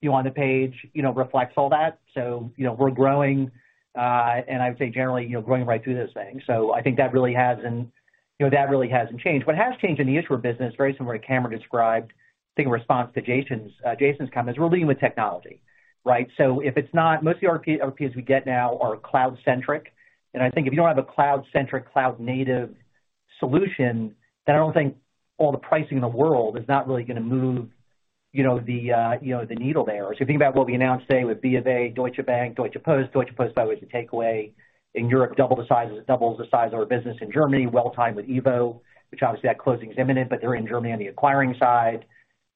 view on the page, you know, reflects all that. You know, we're growing, and I would say generally, you know, growing right through those things. I think that really hasn't, you know, that really hasn't changed. What has changed in the issuer business, very similar to Cameron described, I think in response to Jason's comments. We're leading with technology, right? Most of the RFPs we get now are cloud-centric. I think if you don't have a cloud-centric, cloud-native solution, then I don't think all the pricing in the world is not really gonna move, you know, the, you know, the needle there. If you think about what we announced today with BofA, Deutsche Bank, Deutsche Post. Deutsche Post, by the way, is a takeaway in Europe. Doubles the size of our business in Germany. Well timed with EVO which obviously that closing is imminent, but they're in Germany on the acquiring side.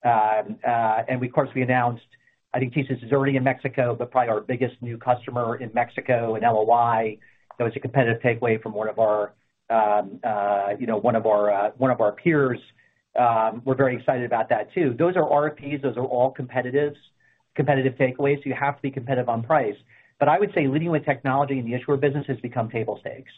Of course, we announced, I think TSYS is already in Mexico, but probably our biggest new customer in Mexico in LOI. That was a competitive takeaway from one of our, you know, one of our, one of our peers. We're very excited about that too. Those are RFPs. Those are all competitive takeaways. I would say leading with technology in the issuer business has become table stakes.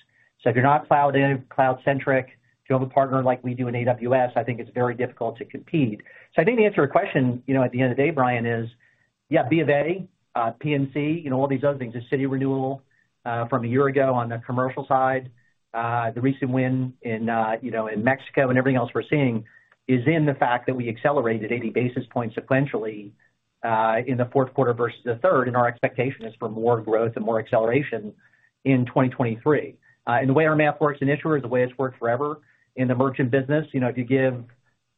If you're not cloud-native, cloud-centric, if you have a partner like we do in AWS, I think it's very difficult to compete. I think the answer to your question, you know, at the end of the day, Bryan, is, yeah, BofA, PNC, you know, all these other things, the Citi renewal from a year ago on the commercial side. The recent win in, you know, in Mexico and everything else we're seeing is in the fact that we accelerated 80 basis points sequentially in the fourth quarter versus the third, and our expectation is for more growth and more acceleration in 2023. The way our math works in issuer is the way it's worked forever in the merchant business. You know, if you give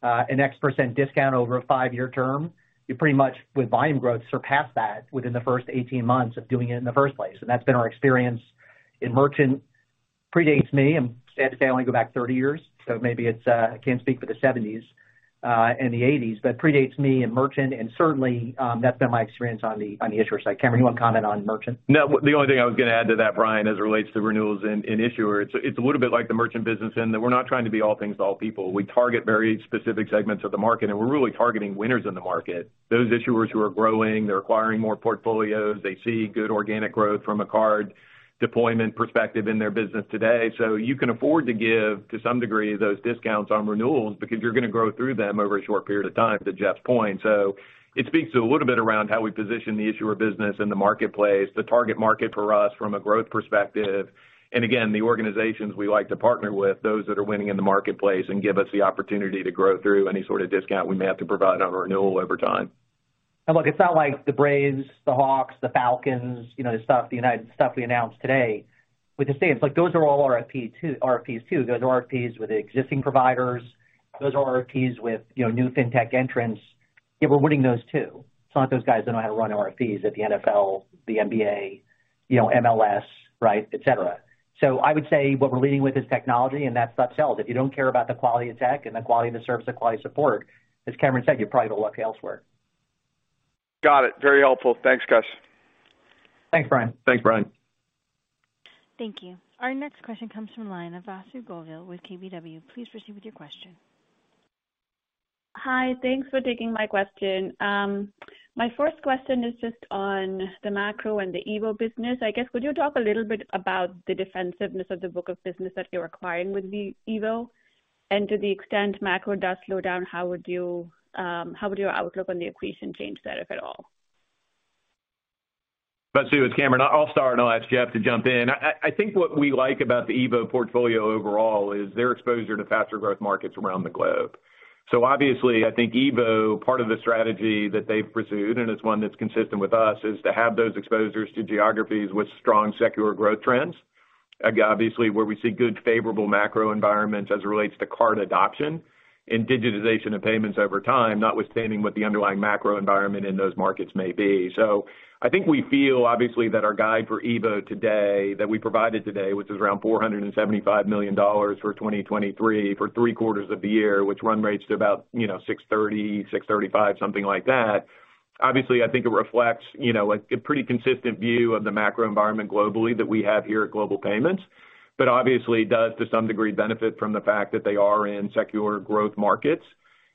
an X% discount over a five-year term, you pretty much, with volume growth, surpass that within the first 18 months of doing it in the first place. That's been our experience in merchant. Predates me. I'm sad to say I only go back 30 years, so maybe it's, I can't speak for the 70s and the 80s, but predates me in merchant and certainly, that's been my experience on the, on the issuer side. Cameron, you want to comment on merchant? No. The only thing I was gonna add to that, Bryan, as it relates to renewals in issuer, it's a little bit like the merchant business in that we're not trying to be all things to all people. We target very specific segments of the market, and we're really targeting winners in the market. Those issuers who are growing, they're acquiring more portfolios. They see good organic growth from a card deployment perspective in their business today. You can afford to give, to some degree, those discounts on renewals because you're gonna grow through them over a short period of time, to Jeff's point. It speaks to a little bit around how we position the issuer business in the marketplace, the target market for us from a growth perspective. Again, the organizations we like to partner with, those that are winning in the marketplace and give us the opportunity to grow through any sort of discount we may have to provide on a renewal over time. Look, it's not like the Braves, the Hawks, the Falcons, you know, the stuff we announced today. We just say it's like those are all RFPs too. Those RFPs with the existing providers, those RFPs with, you know, new fintech entrants, yeah, we're winning those too. It's not like those guys don't know how to run RFPs at the NFL, the NBA, you know, MLS, right, et cetera. I would say what we're leading with is technology, and that stuff sells. If you don't care about the quality of tech and the quality of the service, the quality of support, as Cameron said, you probably go look elsewhere. Got it. Very helpful. Thanks, guys. Thanks, Brian. Thanks, Brian. Thank you. Our next question comes from the line of Vasu Govil with KBW. Please proceed with your question. Hi. Thanks for taking my question. My first question is just on the macro and the EVO business. I guess, could you talk a little bit about the defensiveness of the book of business that you're acquiring with EVO? To the extent macro does slow down, how would you, how would your outlook on the equation change that, if at all? Vasu, it's Cameron. I'll start, and I'll ask Jeff to jump in. I think what we like about the EVO portfolio overall is their exposure to faster growth markets around the globe. Obviously, I think EVO, part of the strategy that they've pursued, and it's one that's consistent with us, is to have those exposures to geographies with strong secular growth trends. Obviously where we see good favorable macro environments as it relates to card adoption and digitization of payments over time, notwithstanding what the underlying macro environment in those markets may be. I think we feel obviously that our guide for EVO today, that we provided today, which is around $475 million for 2023 for three quarters of the year, which run rates to about, you know, $630 million-$635 million, something like that. Obviously, I think it reflects, you know, a pretty consistent view of the macro environment globally that we have here at Global Payments, but obviously does to some degree benefit from the fact that they are in secular growth markets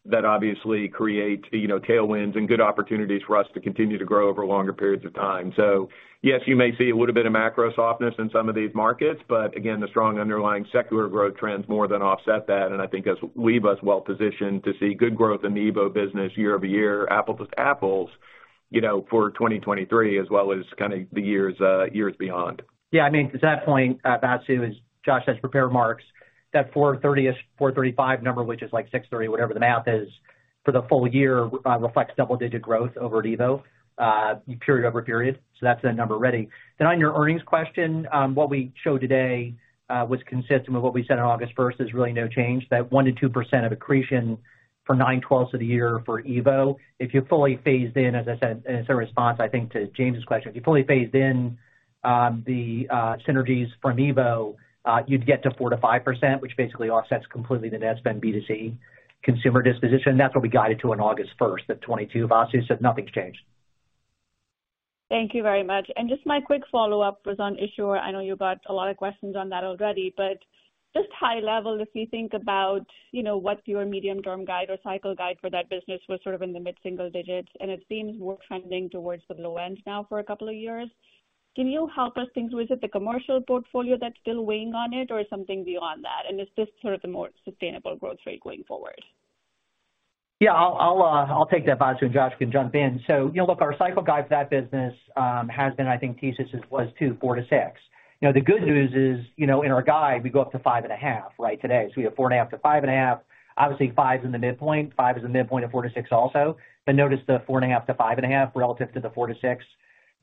that obviously create, you know, tailwinds and good opportunities for us to continue to grow over longer periods of time. Yes, you may see a little bit of macro softness in some of these markets, but again, the strong underlying secular growth trends more than offset that. I think as leave us well-positioned to see good growth in the EVO business year over year, apples to apples, you know, for 2023 as well as kinda the years beyond. Yeah. I mean, to that point, Vasu, is Josh has prepared remarks that 430ish, 435 number, which is like 630, whatever the math is for the full year, reflects double-digit growth over at EVO period-over-period. On your earnings question, what we showed today was consistent with what we said on August 1st. There's really no change that 1%-2% of accretion for 9/12ths of the year for EVO. If you fully phased in, as I said, as a response, I think to James' question. If you fully phased in, the synergies from EVO, you'd get to 4%-5%, which basically offsets completely the Netspend B2C consumer disposition. That's what we guided to on August 1st, that 22. Vasu said nothing's changed. Thank you very much. Just my quick follow-up was on issuer. I know you got a lot of questions on that already, but just high level, if you think about, you know, what your medium-term guide or cycle guide for that business was sort of in the mid-single digits, and it seems we're trending towards the low end now for a couple of years. Can you help us think through, is it the commercial portfolio that's still weighing on it or something beyond that? Is this sort of the more sustainable growth rate going forward? Yeah, I'll take that Vasu, and Josh can jump in. You know, look, our cycle guide for that business has been I think thesis was to 4%-6%. You know, the good news is, you know, in our guide we go up to 5.5% right today. We have 4.5%-5.5%. Obviously 5% is in the midpoint. 5% is the midpoint of 4%-6% also. Notice the 4.5%-5.5% relative to the 4%-6%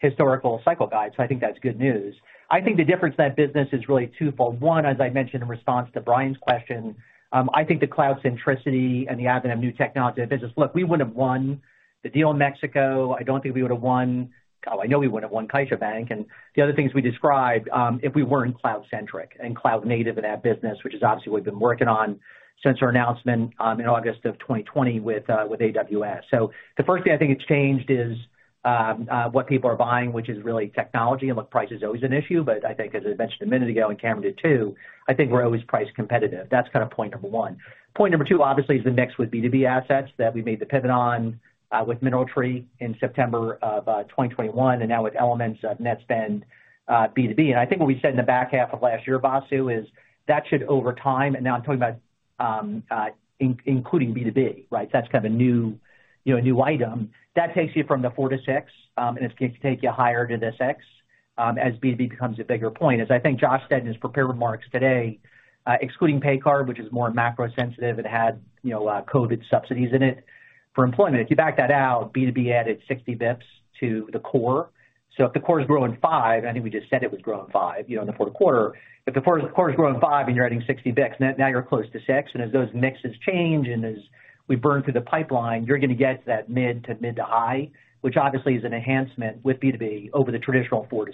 historical cycle guide. I think that's good news. I think the difference in that business is really twofold. One, as I mentioned in response to Bryan's question, I think the cloud centricity and the advent of new technology in the business. Look, we wouldn't have won the deal in Mexico. I don't think we would have won... Oh, I know we wouldn't have won CaixaBank and the other things we described, if we weren't cloud-centric and cloud native in that business, which is obviously we've been working on since our announcement, in August of 2020 with AWS. The first thing I think it's changed is what people are buying, which is really technology. Look, price is always an issue. I think as I mentioned a minute ago and Cameron did too, I think we're always price competitive. That's kind of point number one. Point number one obviously is the mix with B2B assets that we made the pivot on, with MineralTree in September of 2021 and now with elements of Netspend, B2B. I think what we said in the back half of last year, Vasu, is that should over time and now I'm talking about, including B2B, right? That's kind of a new, you know, new item. That takes you from the 4%-6%, and it's going to take you higher to the 6%, as B2B becomes a bigger point. I think Josh said in his prepared remarks today, excluding pay card, which is more macro sensitive, it had, you know, COVID subsidies in it for employment. If you back that out, B2B added 60 basis points to the core. If the core is growing 5%, and I think we just said it was growing 5%, you know, in the fourth quarter. If the core is growing 5% and you're adding 60 basis points, now you're close to 6%. As those mixes change and as we burn through the pipeline, you're gonna get to that mid to mid to high, which obviously is an enhancement with B2B over the traditional 4%-6%.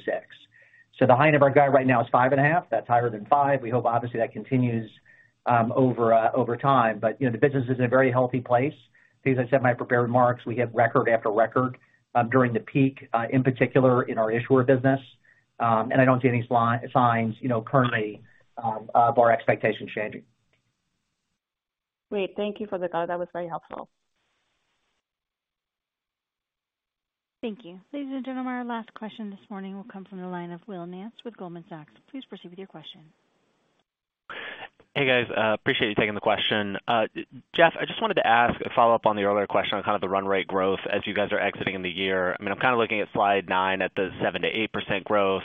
The high end of our guide right now is 5.5%. That's higher than 5%. We hope obviously that continues over over time. You know, the business is in a very healthy place. As I said in my prepared remarks, we hit record after record during the peak in particular in our issuer business. I don't see any signs, you know, currently, of our expectations changing. Great. Thank you for the guide. That was very helpful. Thank you. Ladies and gentlemen, our last question this morning will come from the line of Will Nance with Goldman Sachs. Please proceed with your question. Hey, guys. appreciate you taking the question. Jeff, I just wanted to ask a follow-up on the earlier question on kind of the run rate growth as you guys are exiting the year. I mean, I'm kind of looking at slide 9 at the 7%-8% growth,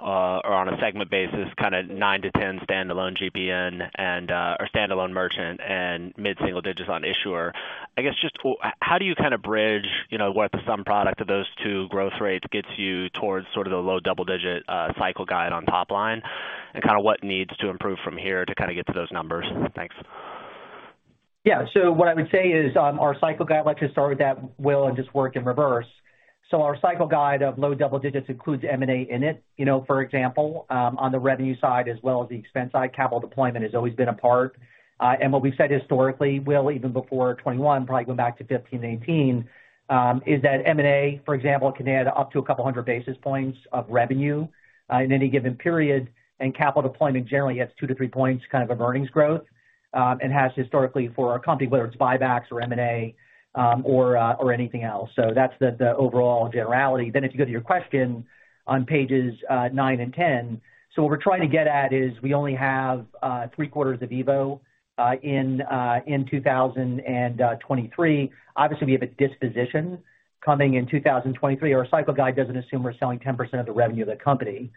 or on a segment basis, kinda 9%-10% standalone GPN and, or standalone merchant and mid-single digits on issuer. I guess just how do you kinda bridge, you know, what the sum product of those two growth rates gets you towards sort of the low double-digit cycle guide on top line and kinda what needs to improve from here to kinda get to those numbers? Thanks. Yeah. What I would say is, our cycle guide, let's just start with that, Will, and just work in reverse. Our cycle guide of low double digits includes M&A in it. You know, for example, on the revenue side as well as the expense side, capital deployment has always been a part. What we've said historically, Will, even before 2021, probably going back to 2015, 2018, is that M&A, for example, can add up to 200 basis points of revenue in any given period. Capital deployment generally adds 2 points-3 points kind of earnings growth and has historically for our company, whether it's buybacks or M&A, or anything else. That's the overall generality. If you go to your question on page nine and Page 10. What we're trying to get at is we only have three quarters of EVO in 2023. Obviously, we have a disposition coming in 2023. Our cycle guide doesn't assume we're selling 10% of the revenue of the company,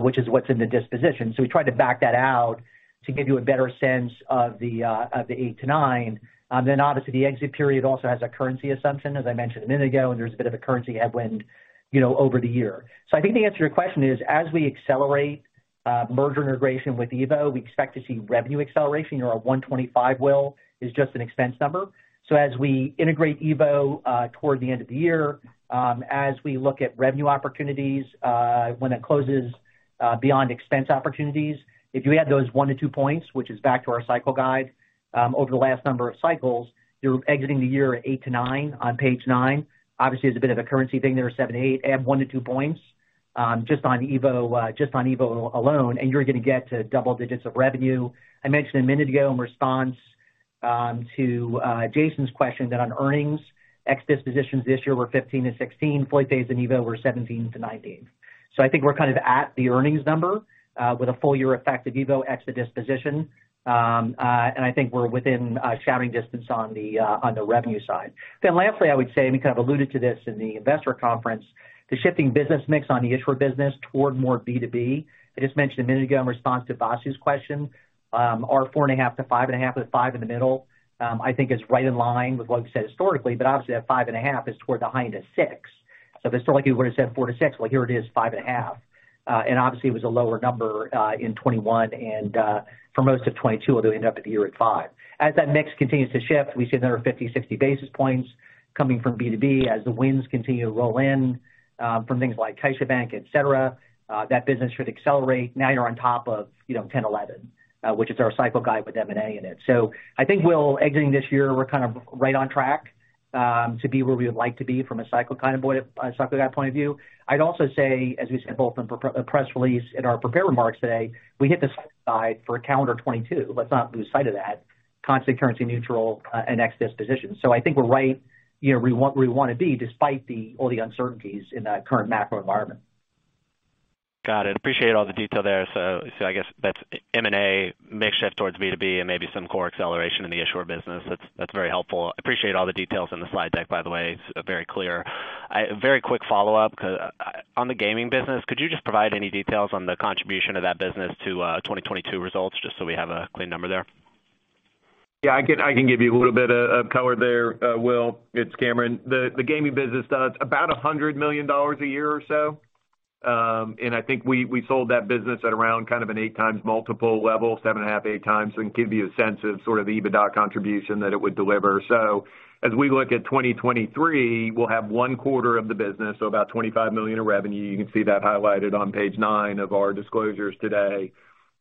which is what's in the disposition. We tried to back that out to give you a better sense of the 8%-9%. Obviously the exit period also has a currency assumption, as I mentioned a minute ago. There's a bit of a currency headwind. You know, over the year. I think the answer to your question is, as we accelerate merger integration with EVO, we expect to see revenue acceleration, or our 125 Will, is just an expense number. As we integrate EVO, toward the end of the year, as we look at revenue opportunities, when it closes, beyond expense opportunities, if you add those 1 point-2 points, which is back to our cycle guide, over the last number of cycles, you're exiting the year at 8 points-9 points on page nine. Obviously, there's a bit of a currency thing there, 7 points-8 points. Add 1 point-2 points, just on EVO alone, and you're gonna get to double digits of revenue. I mentioned a minute ago in response to Jason's question that on earnings, ex dispositions this year were 15-16. Flat and EVO were 17-19. I think we're kind of at the earnings number with a full year effect of EVO ex the disposition. I think we're within shouting distance on the revenue side. Lastly, I would say, and we kind of alluded to this in the investor conference, the shifting business mix on the issuer business toward more B2B. I just mentioned a minute ago in response to Vasu's question, our 4.5%-5.5% with 5% in the middle, I think is right in line with what we've said historically, but obviously that 5.5% is toward the high end of 6%. Historically, we would've said 4%-6%. Here it is 5.5%. Obviously it was a lower number in 2021 and for most of 2022, although we end up at the year at 5%. As that mix continues to shift, we see another 50 basis points, 60 basis points coming from B2B as the wins continue to roll in, from things like CaixaBank, et cetera. That business should accelerate. You're on top of, you know, 10, 11, which is our cycle guide with M&A in it. I think exiting this year, we're kind of right on track to be where we would like to be from a cycle kind of cycle guide point of view. I'd also say, as we said both in press release and our prepared remarks today, we hit the cycle guide for calendar 2022. Let's not lose sight of that. Constant currency neutral and ex disposition. I think we're right, you know, where we wanna be despite all the uncertainties in the current macro environment. Got it. Appreciate all the detail there. I guess that's M&A mix shift towards B2B and maybe some core acceleration in the issuer business. That's very helpful. Appreciate all the details in the slide deck, by the way. It's very clear. A very quick follow-up. On the gaming business, could you just provide any details on the contribution of that business to 2022 results, just so we have a clean number there? Yeah, I can give you a little bit of color there, Will. It's Cameron. The gaming business does about $100 million a year or so. I think we sold that business at around kind of an 8x multiple level, 7.5x-8x, give you a sense of sort of the EBITDA contribution that it would deliver. As we look at 2023, we'll have one quarter of the business, so about $25 million in revenue. You can see that highlighted on page nine of our disclosures today.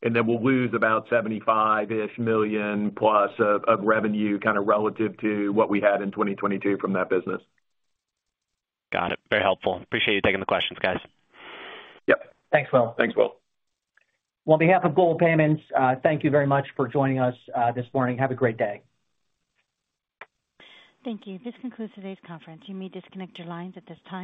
Then we'll lose about $75 million+ of revenue, kind of relative to what we had in 2022 from that business. Got it. Very helpful. Appreciate you taking the questions, guys. Yep. Thanks, Will. Thanks, Will. On behalf of Global Payments, thank you very much for joining us, this morning. Have a great day. Thank you. This concludes today's conference. You may disconnect your lines at this time.